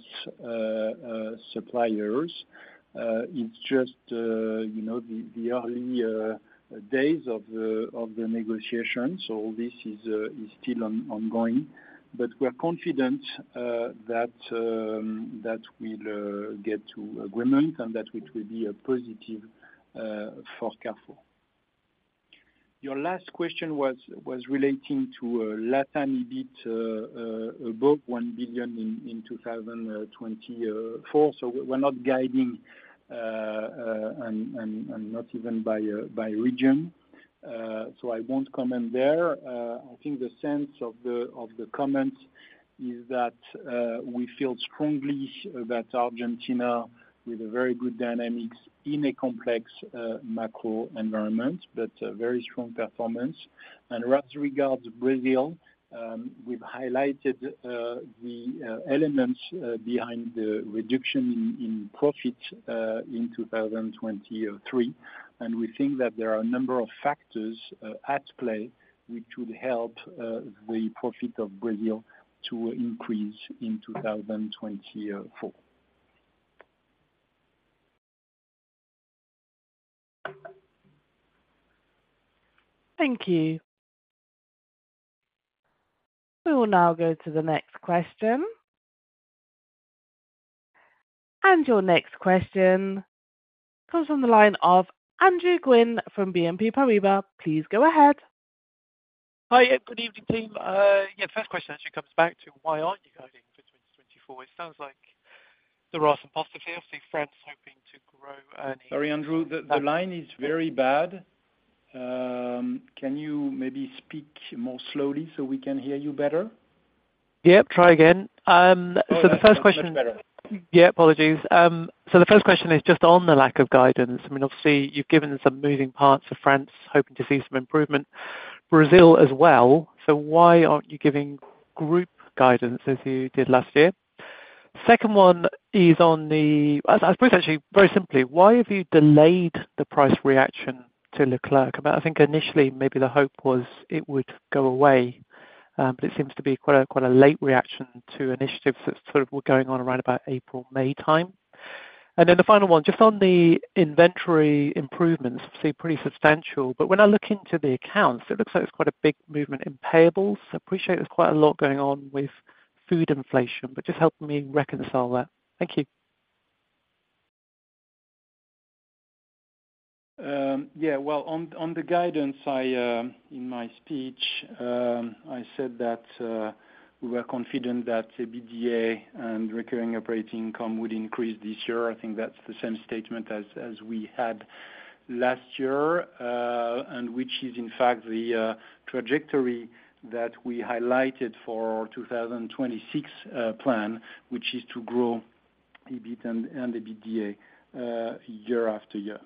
suppliers. It's just, you know, the early days of the negotiation, so this is still ongoing, but we're confident that we'll get to agreement and that which will be a positive for Carrefour. Your last question was relating to Latin EBIT above 1 billion in 2024. So we're not guiding and not even by region. I think the sense of the comment is that we feel strongly that Argentina with a very good dynamics in a complex macro environment, but a very strong performance. And as regards Brazil, we've highlighted the elements behind the reduction in profit in 2023. We think that there are a number of factors at play, which would help the profit of Brazil to increase in 2024. Thank you. We will now go to the next question. Your next question comes on the line of Andrew Gwynn from BNP Paribas. Please go ahead. Hi, yeah, good evening, team. Yeah, first question actually comes back to why aren't you guiding for 2024? It sounds like the results are positive in France hoping to grow already- Sorry, Andrew, the line is very bad. Can you maybe speak more slowly so we can hear you better? Yep, try again. So the first question- Much better. Yeah, apologies. So the first question is just on the lack of guidance. I mean, obviously, you've given some moving parts of France, hoping to see some improvement, Brazil as well. So why aren't you giving group guidance as you did last year? Second one is on the... I suppose actually, very simply, why have you delayed the price reaction to Leclerc? But I think initially, maybe the hope was it would go away, but it seems to be quite a late reaction to initiatives that sort of were going on around about April, May time. And then the final one, just on the inventory improvements, seem pretty substantial. But when I look into the accounts, it looks like it's quite a big movement in payables. I appreciate there's quite a lot going on with food inflation, but just help me reconcile that. Thank you. Yeah, well, on the guidance, in my speech, I said that we were confident that EBITDA and recurring operating income would increase this year. I think that's the same statement as we had last year, and which is in fact the trajectory that we highlighted for our 2026 plan, which is to grow EBIT and EBITDA year after year.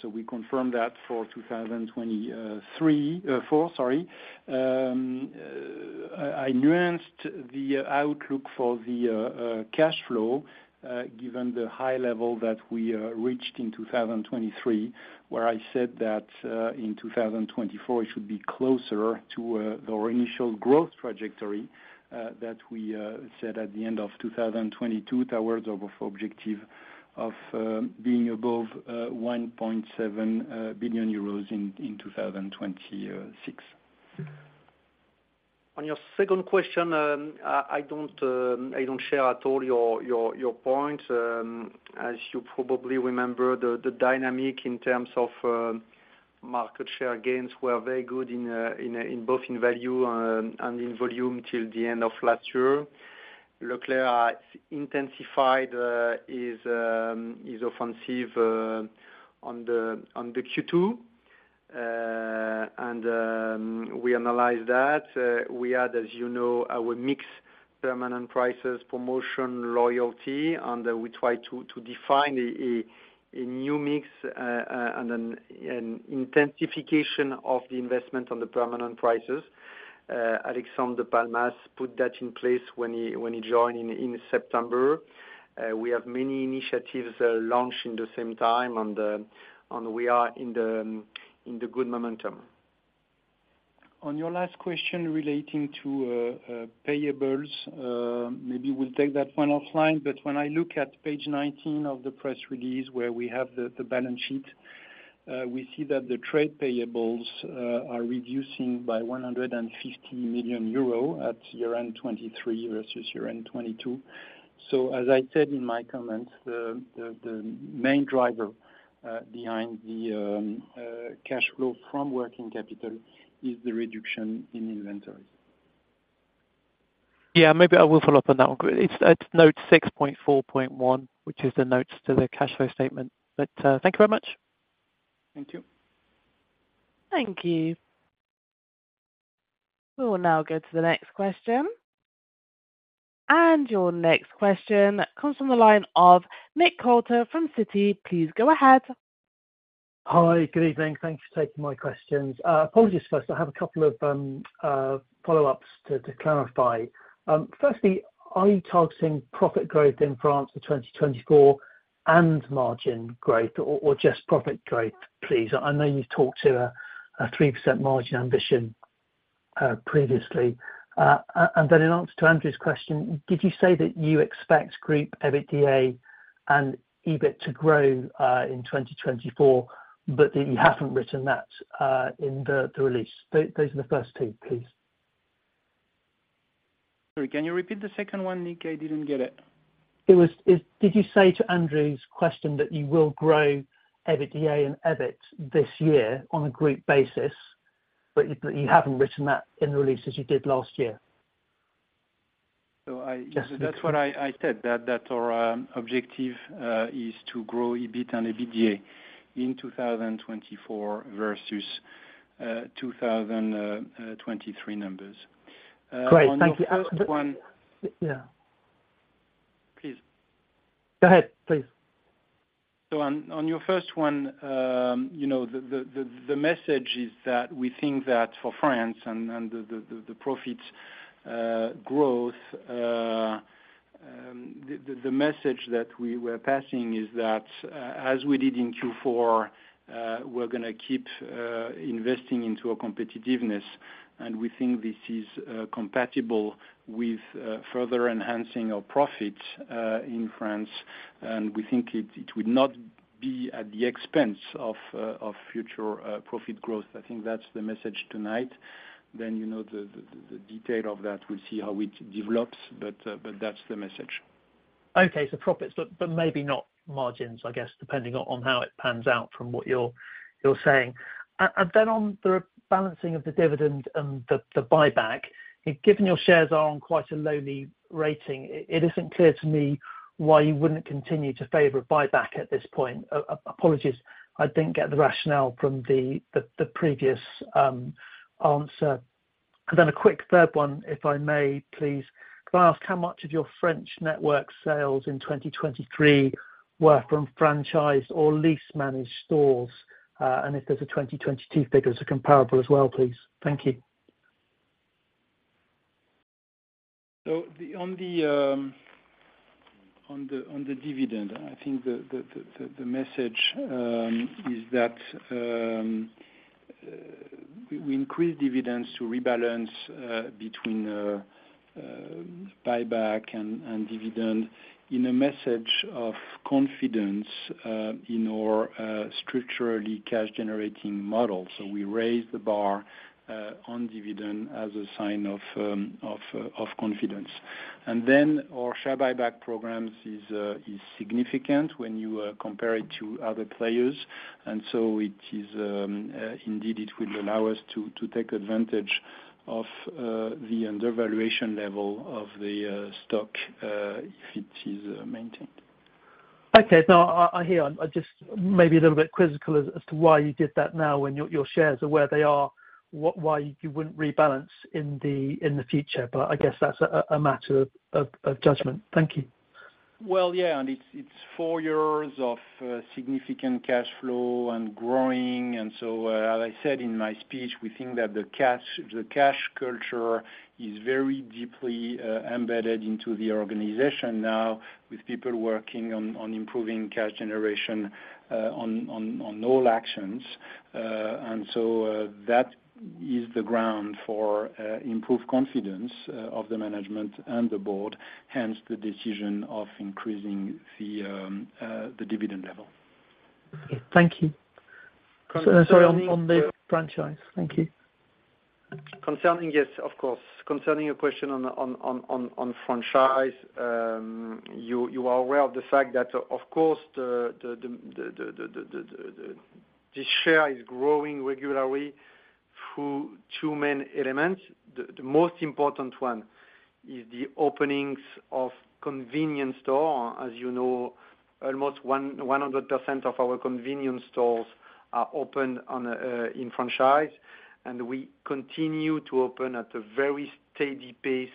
So we confirmed that for 2024. I nuanced the outlook for the cash flow, given the high level that we reached in 2023, where I said that in 2024, it should be closer to our initial growth trajectory that we set at the end of 2022 towards of our objective of being above 1.7 billion euros in 2026. On your second question, I don't share at all your point. As you probably remember, the dynamic in terms of market share gains were very good in both in value and in volume till the end of last year. Leclerc has intensified his offensive on the Q2. And we analyzed that. We had, as you know, our mix permanent prices, promotion, loyalty, and we try to define a new mix and an intensification of the investment on the permanent prices. Alexandre de Palmas put that in place when he joined in September. We have many initiatives launched in the same time, and we are in the good momentum. On your last question relating to payables, maybe we'll take that one offline, but when I look at page 19 of the press release, where we have the balance sheet, we see that the trade payables are reducing by 150 million euro at year-end 2023 versus year-end 2022. So as I said in my comments, the main driver behind the cash flow from working capital is the reduction in inventories. Yeah, maybe I will follow up on that one. It's at note 6.4.1, which is the notes to the cash flow statement. But, thank you very much. Thank you. Thank you. We will now go to the next question. Your next question comes from the line of Nick Coulter from Citi. Please go ahead. Hi, good evening. Thank you for taking my questions. Apologies, first I have a couple of follow-ups to clarify. Firstly, are you targeting profit growth in France for 2024 and margin growth or just profit growth, please? I know you've talked to a 3% margin ambition previously. And then in answer to Andrew's question, did you say that you expect group EBITDA and EBIT to grow in 2024, but that you haven't written that in the release? Those are the first two, please. Sorry, can you repeat the second one, Nick? I didn't get it. Did you say to Andrew's question that you will grow EBITDA and EBIT this year on a group basis, but you, but you haven't written that in the release as you did last year? So I- Just- That's what I said, that our objective is to grow EBIT and EBITDA in 2024 versus 2023 numbers. On the first one- Great. Thank you. Yeah. Please. Go ahead, please. So on your first one, you know, the message is that we think that for France and the profit growth, the message that we were passing is that, as we did in Q4, we're gonna keep investing into our competitiveness. And we think this is compatible with further enhancing our profits in France, and we think it would not be at the expense of future profit growth. I think that's the message tonight. Then, you know, the detail of that, we'll see how it develops, but that's the message. Okay. So profits, but maybe not margins, I guess, depending on how it pans out from what you're saying. And then on the balancing of the dividend and the buyback, given your shares are on quite a lowly rating, it isn't clear to me why you wouldn't continue to favor a buyback at this point. Apologies, I didn't get the rationale from the previous answer. And then a quick third one, if I may, please. Can I ask how much of your French network sales in 2023 were from franchise or lease managed stores? And if there's a 2022 figures are comparable as well, please. Thank you. So, on the dividend, I think the message is that we increase dividends to rebalance between buyback and dividend in a message of confidence in our structurally cash generating model. So we raised the bar on dividend as a sign of confidence. And then our share buyback programs is significant when you compare it to other players. And so it is indeed it will allow us to take advantage of the undervaluation level of the stock if it is maintained. Okay. No, I hear. I just maybe a little bit quizzical as to why you did that now, when your shares are where they are, what—why you wouldn't rebalance in the future, but I guess that's a matter of judgment. Thank you. Well, yeah, and it's four years of significant cash flow and growing. And so, as I said in my speech, we think that the cash culture is very deeply embedded into the organization now, with people working on improving cash generation on all actions. And so, that is the ground for improved confidence of the management and the board, hence the decision of increasing the dividend level. Thank you. Concerning- Sorry, on the franchise. Thank you. Concerning, yes, of course. Concerning your question on the franchise, you are aware of the fact that of course, the share is growing regularly through two main elements. The most important one is the openings of convenience store. As you know, almost 100% of our convenience stores are open in franchise, and we continue to open at a very steady pace,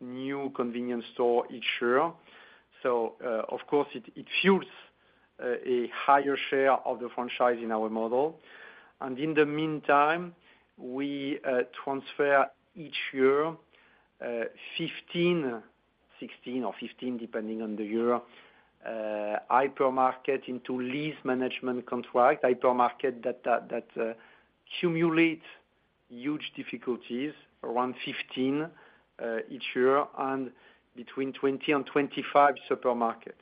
new convenience store each year. So, of course it fuels a higher share of the franchise in our model. And in the meantime, we transfer each year 15-16 or 15, depending on the year, hypermarket into lease management contract. Hypermarket that cumulate huge difficulties, around 15 each year and between 20 and 25 supermarket.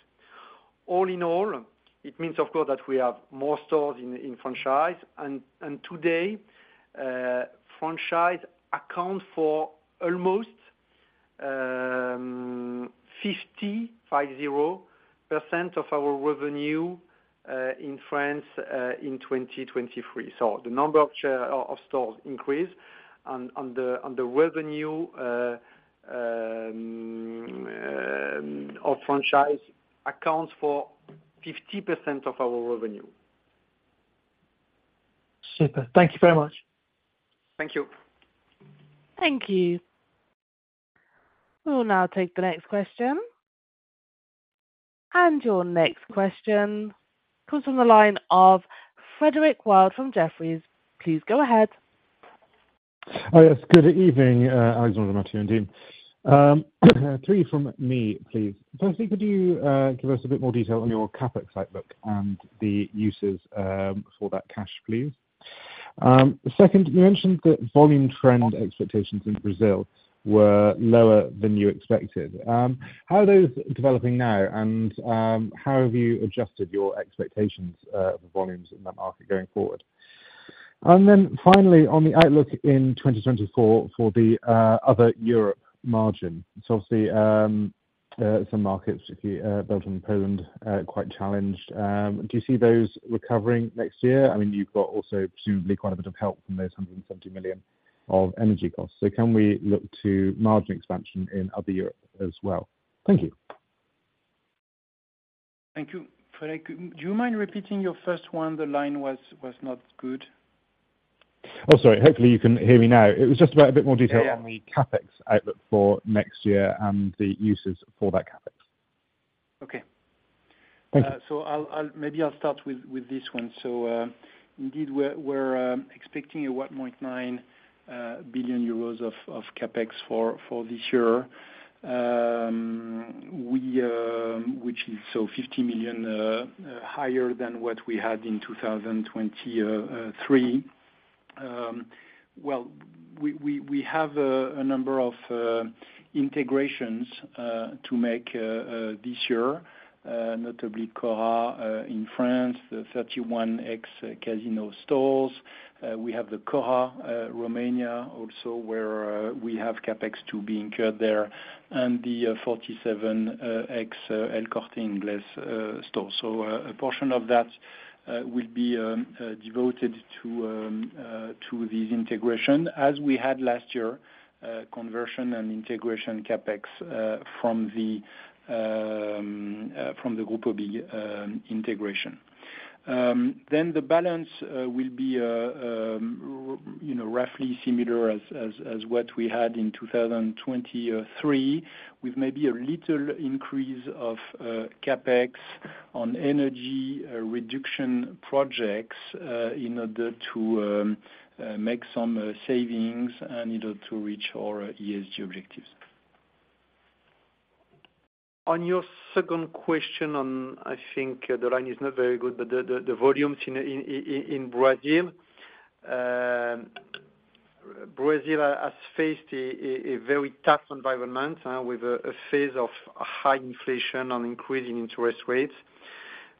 All in all, it means of course that we have more stores in franchise, and today franchise account for almost 55.0% of our revenue in France in 2023. So the number of stores increase on the revenue of franchise accounts for 50% of our revenue. Super, thank you very much. Thank you. Thank you. We'll now take the next question. Your next question comes from the line of Frederick Wild from Jefferies. Please go ahead. Oh, yes, good evening, Alexandre, Matthieu and team. Three from me, please. Firstly, could you give us a bit more detail on your CapEx outlook and the uses for that cash, please? Second, you mentioned that volume trend expectations in Brazil were lower than you expected. How are those developing now, and how have you adjusted your expectations, volumes in that market going forward? And then finally, on the outlook in 2024 for the Other Europe margin, so obviously some markets, particularly Belgium and Poland, are quite challenged. Do you see those recovering next year? I mean, you've got also presumably quite a bit of help from those 170 million of energy costs. So can we look to margin expansion in Other Europe as well? Thank you. Thank you. Frederick, do you mind repeating your first one? The line was not good. Oh, sorry. Hopefully, you can hear me now. It was just about a bit more detail- Yeah On the CapEx outlook for next year and the uses for that CapEx. Okay. Thank you. So I'll maybe start with this one. So indeed, we're expecting 1.9 billion euros of CapEx for this year. We which is so 50 million higher than what we had in 2023. Well, we have a number of integrations to make this year, notably Cora in France, the 31 ex Casino stores. We have the Cora Romania also, where we have CapEx to be incurred there, and the 47 ex El Corte Inglés stores. So, a portion of that will be devoted to this integration as we had last year, conversion and integration CapEx from the Grupo BIG integration. Then the balance will be, you know, roughly similar as what we had in 2023, with maybe a little increase of CapEx on energy reduction projects in order to make some savings and in order to reach our ESG objectives. On your second question, I think the line is not very good, but the volumes in Brazil. Brazil has faced a very tough environment with a phase of high inflation and increasing interest rates,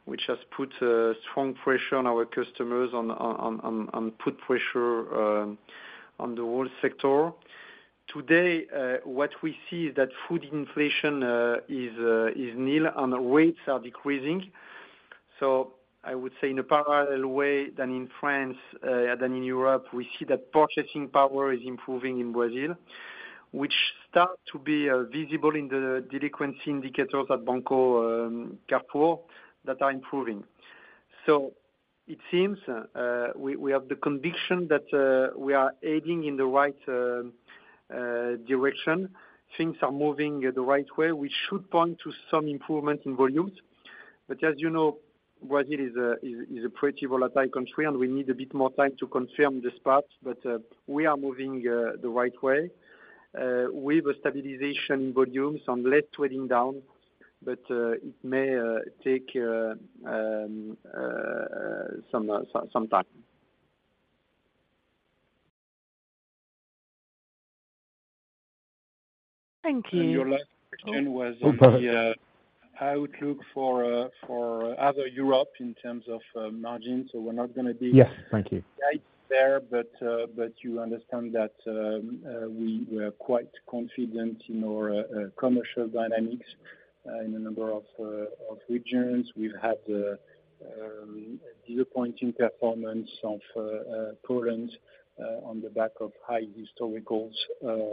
which has put strong pressure on our customers, put pressure on the whole sector. Today, what we see is that food inflation is nil, and rates are decreasing. So I would say in a parallel way than in France than in Europe, we see that purchasing power is improving in Brazil, which start to be visible in the delinquency indicators at Banco Carrefour that are improving. So it seems we have the conviction that we are heading in the right direction. Things are moving the right way, which should point to some improvement in volumes. But as you know, Brazil is a pretty volatile country, and we need a bit more time to confirm the spots. But we are moving the right way with a stabilization volume, some late trading down, but it may take some time. Thank you. Your last question was on the outlook for other Europe in terms of margin. So we're not gonna be- Yes, thank you. Right there, but you understand that we were quite confident in our commercial dynamics. In a number of regions, we've had a disappointing performance of Poland on the back of high historicals. So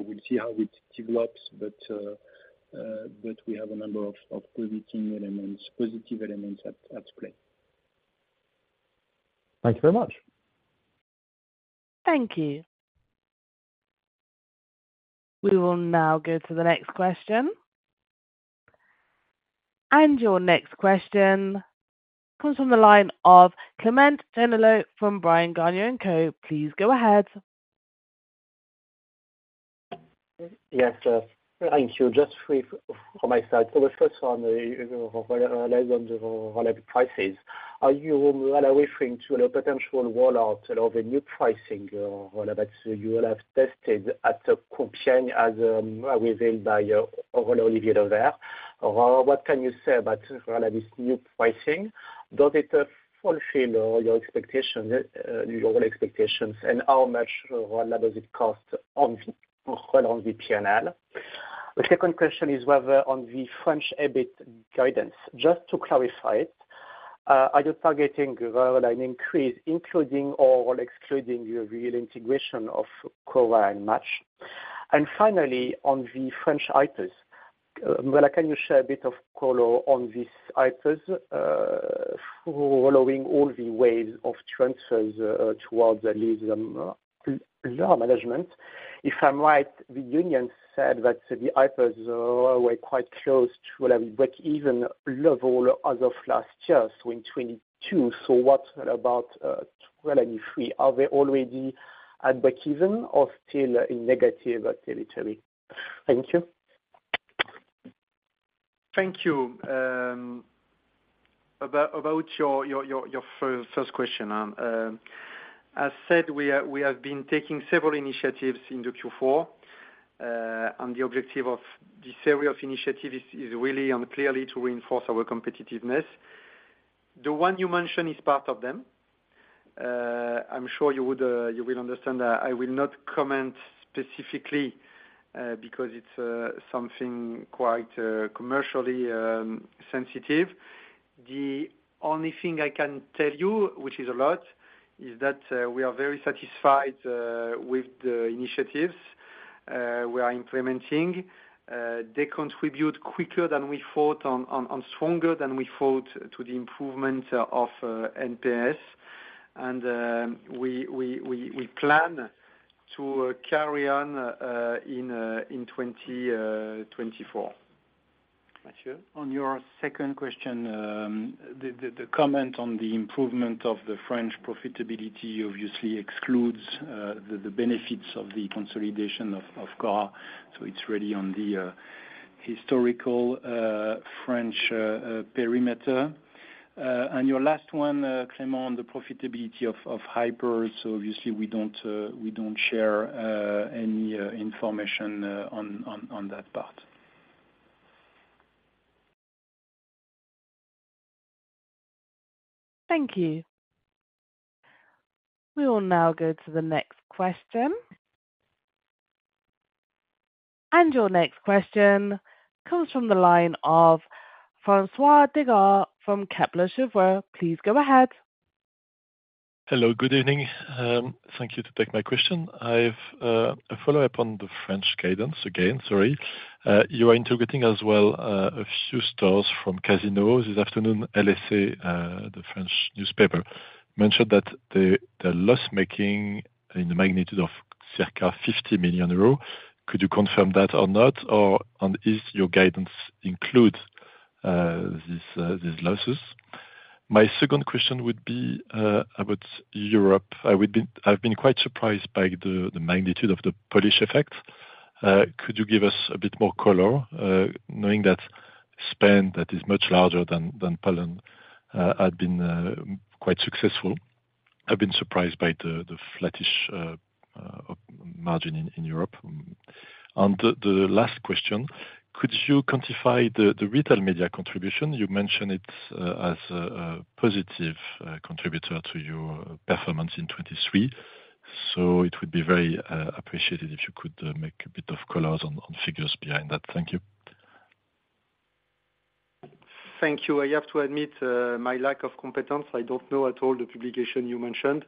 we'll see how it develops, but we have a number of predicting elements, positive elements at play. Thank you very much. Thank you. We will now go to the next question. Your next question comes from the line of Clément from Bryan, Garnier & Co Please go ahead. Yes, thank you. Just three from my side. So the first one, on the prices. Are you referring to the potential rollout of a new pricing, that you will have tested at the Leclerc, as revealed by Olivier Dauvers? What can you say about really this new pricing? Does it fulfill your expectation, your expectations, and how much does it cost on the, on the P&L? The second question is whether on the French EBIT guidance, just to clarify it, are you targeting an increase, including or excluding your real integration of Cora and Match? And finally, on the French leases, well, can you share a bit of color on this leases, following all the waves of transfers, towards the leaseback management? If I'm right, the union said that the Hypers were quite close to breakeven level as of last year, so in 2022. So what about 2023? Are they already at breakeven or still in negative territory? Thank you. Thank you. About your first question, as said, we have been taking several initiatives in the Q4, and the objective of this area of initiative is really and clearly to reinforce our competitiveness. The one you mentioned is part of them. I'm sure you will understand that I will not comment specifically, because it's something quite commercially sensitive. The only thing I can tell you, which is a lot, is that we are very satisfied with the initiatives we are implementing. They contribute quicker than we thought and stronger than we thought to the improvement of NPS. And we plan to carry on in 2024. Matthieu. On your second question, the comment on the improvement of the French profitability obviously excludes the benefits of the consolidation of Cora. So it's really on the historical French perimeter. And your last one, Clément, on the profitability of hyper, so obviously we don't share any information on that part. Thank you. We will now go to the next question. Your next question comes from the line of François Digard from Kepler Cheuvreux. Please go ahead. Hello, good evening. Thank you to take my question. I've a follow-up on the French guidance again, sorry. You are integrating as well a few stores from Casino this afternoon. LSA, the French newspaper, mentioned that the loss making in the magnitude of circa 50 million euros. Could you confirm that or not, and is your guidance include these losses? My second question would be about Europe. I've been quite surprised by the magnitude of the Polish effect. Could you give us a bit more color, knowing that Spain, that is much larger than Poland, had been quite successful? I've been surprised by the flattish margin in Europe. And the last question, could you quantify the retail media contribution? You mentioned it as a positive contributor to your performance in 2023. So it would be very appreciated if you could make a bit of colors on figures behind that. Thank you. Thank you. I have to admit my lack of competence. I don't know at all the publication you mentioned,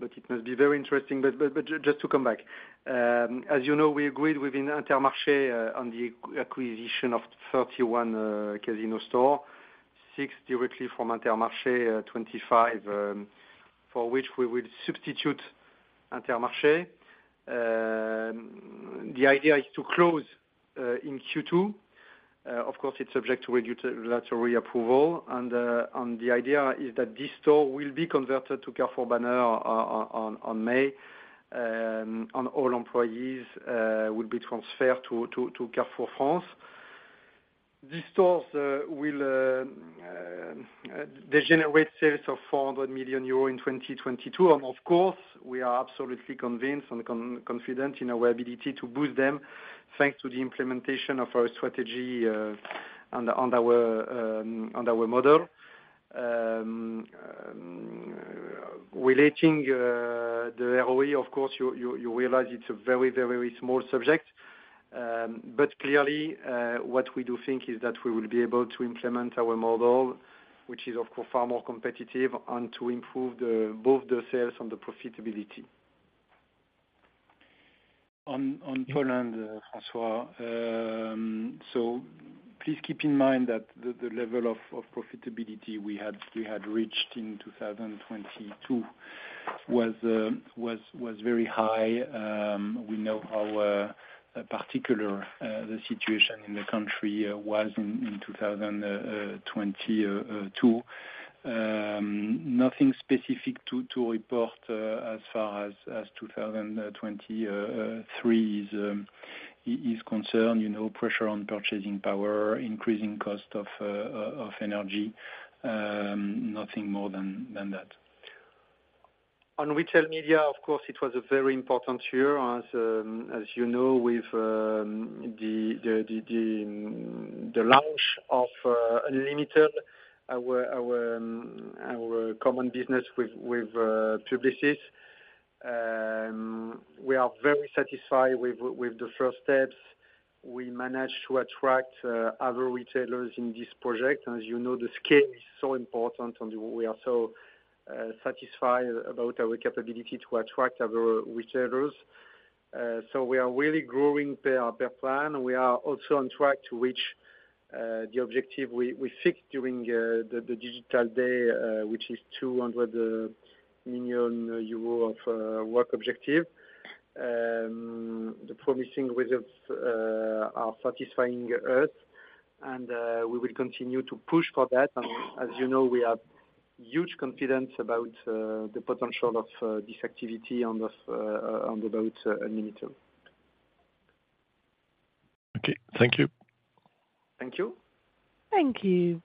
but it must be very interesting. But just to come back, as you know, we agreed within Intermarché on the acquisition of 31 Casino stores, six directly from Intermarché, 25 for which we will substitute Intermarché. The idea is to close in Q2. Of course, it's subject to regulatory approval, and the idea is that these stores will be converted to Carrefour banner on May, and all employees will be transferred to Carrefour France. These stores will generate sales of 400 million euro in 2022, and of course, we are absolutely convinced and confident in our ability to boost them, thanks to the implementation of our strategy on our model. Relating to the ROE, of course, you realize it's a very, very, very small subject. But clearly, what we do think is that we will be able to implement our model, which is, of course, far more competitive and to improve both the sales and the profitability. On Poland, François. So please keep in mind that the level of profitability we had reached in 2022 was very high. We know how particular the situation in the country was in 2022. Nothing specific to report as far as 2023 is concerned. You know, pressure on purchasing power, increasing cost of energy. Nothing more than that. On retail media, of course, it was a very important year as, as you know, with the launch of Unlimitail, our common business with Publicis. We are very satisfied with the first steps. We managed to attract other retailers in this project. As you know, the scale is so important, and we are so satisfied about our capability to attract other retailers. So we are really growing per plan. We are also on track to reach the objective we fixed during the Digital Day, which is 200 million euro of ROC objective. The promising results are satisfying us, and we will continue to push for that. As you know, we have huge confidence about the potential of this activity on this on the platform Unlimitail. Okay, thank you. Thank you. Thank you.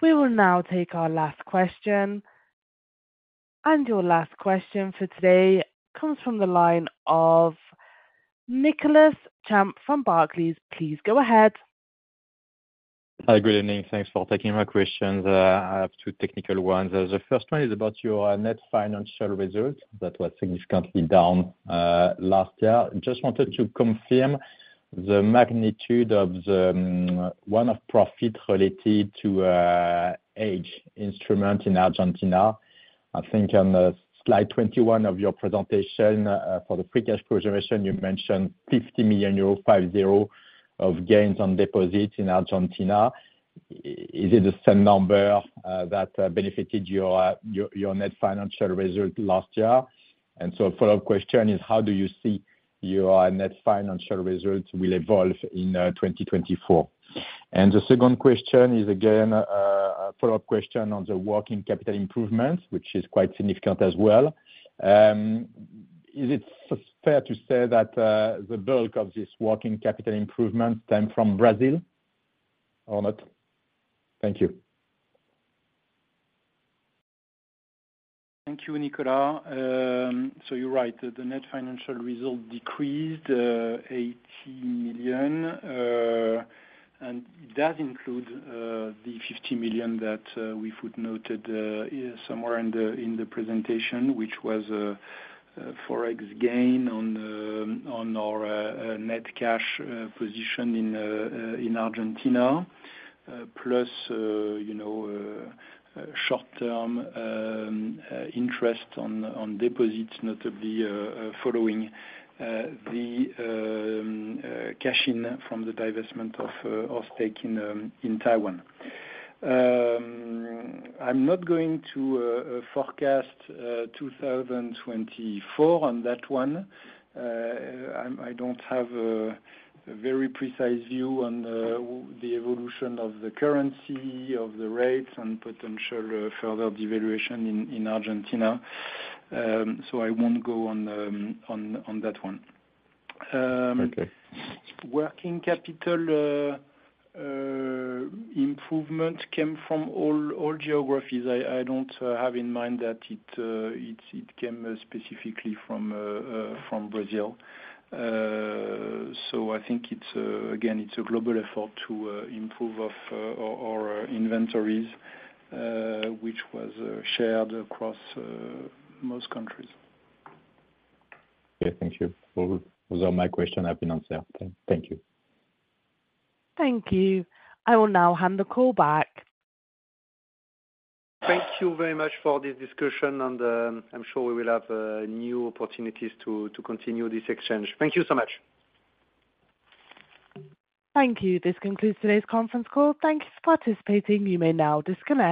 We will now take our last question. Your last question for today comes from the line of Nicolas Champ from Barclays. Please go ahead. Hi, good evening. Thanks for taking my questions. I have two technical ones. The first one is about your net financial results that was significantly down last year. Just wanted to confirm the magnitude of the one-off profit related to hedge instrument in Argentina. I think on Slide 21 of your presentation for the free cash flow generation, you mentioned 50 million euro, 50, of gains on deposits in Argentina. Is it the same number that benefited your net financial result last year? And so follow-up question is: How do you see your net financial results will evolve in 2024? And the second question is, again, a follow-up question on the working capital improvements, which is quite significant as well. Is it fair to say that the bulk of this working capital improvement came from Brazil or not? Thank you. Thank you, Nicolas. So you're right, the net financial result decreased 80 million. And that includes the 50 million that we footnoted somewhere in the presentation, which was Forex gain on our net cash position in Argentina. Plus, you know, short-term interest on deposits, notably following the cash-in from the divestment of stake in Taiwan. I'm not going to forecast 2024 on that one. I don't have a very precise view on the evolution of the currency, of the rates, and potential further devaluation in Argentina. So I won't go on that one. Okay. Working capital improvement came from all geographies. I don't have in mind that it came specifically from Brazil. So I think it's again a global effort to improve of our inventories, which was shared across most countries. Okay. Thank you. Well, those are my questions have been answered. Thank you. Thank you. I will now hand the call back. Thank you very much for this discussion and, I'm sure we will have new opportunities to continue this exchange. Thank you so much. Thank you. This concludes today's conference call. Thanks for participating. You may now disconnect.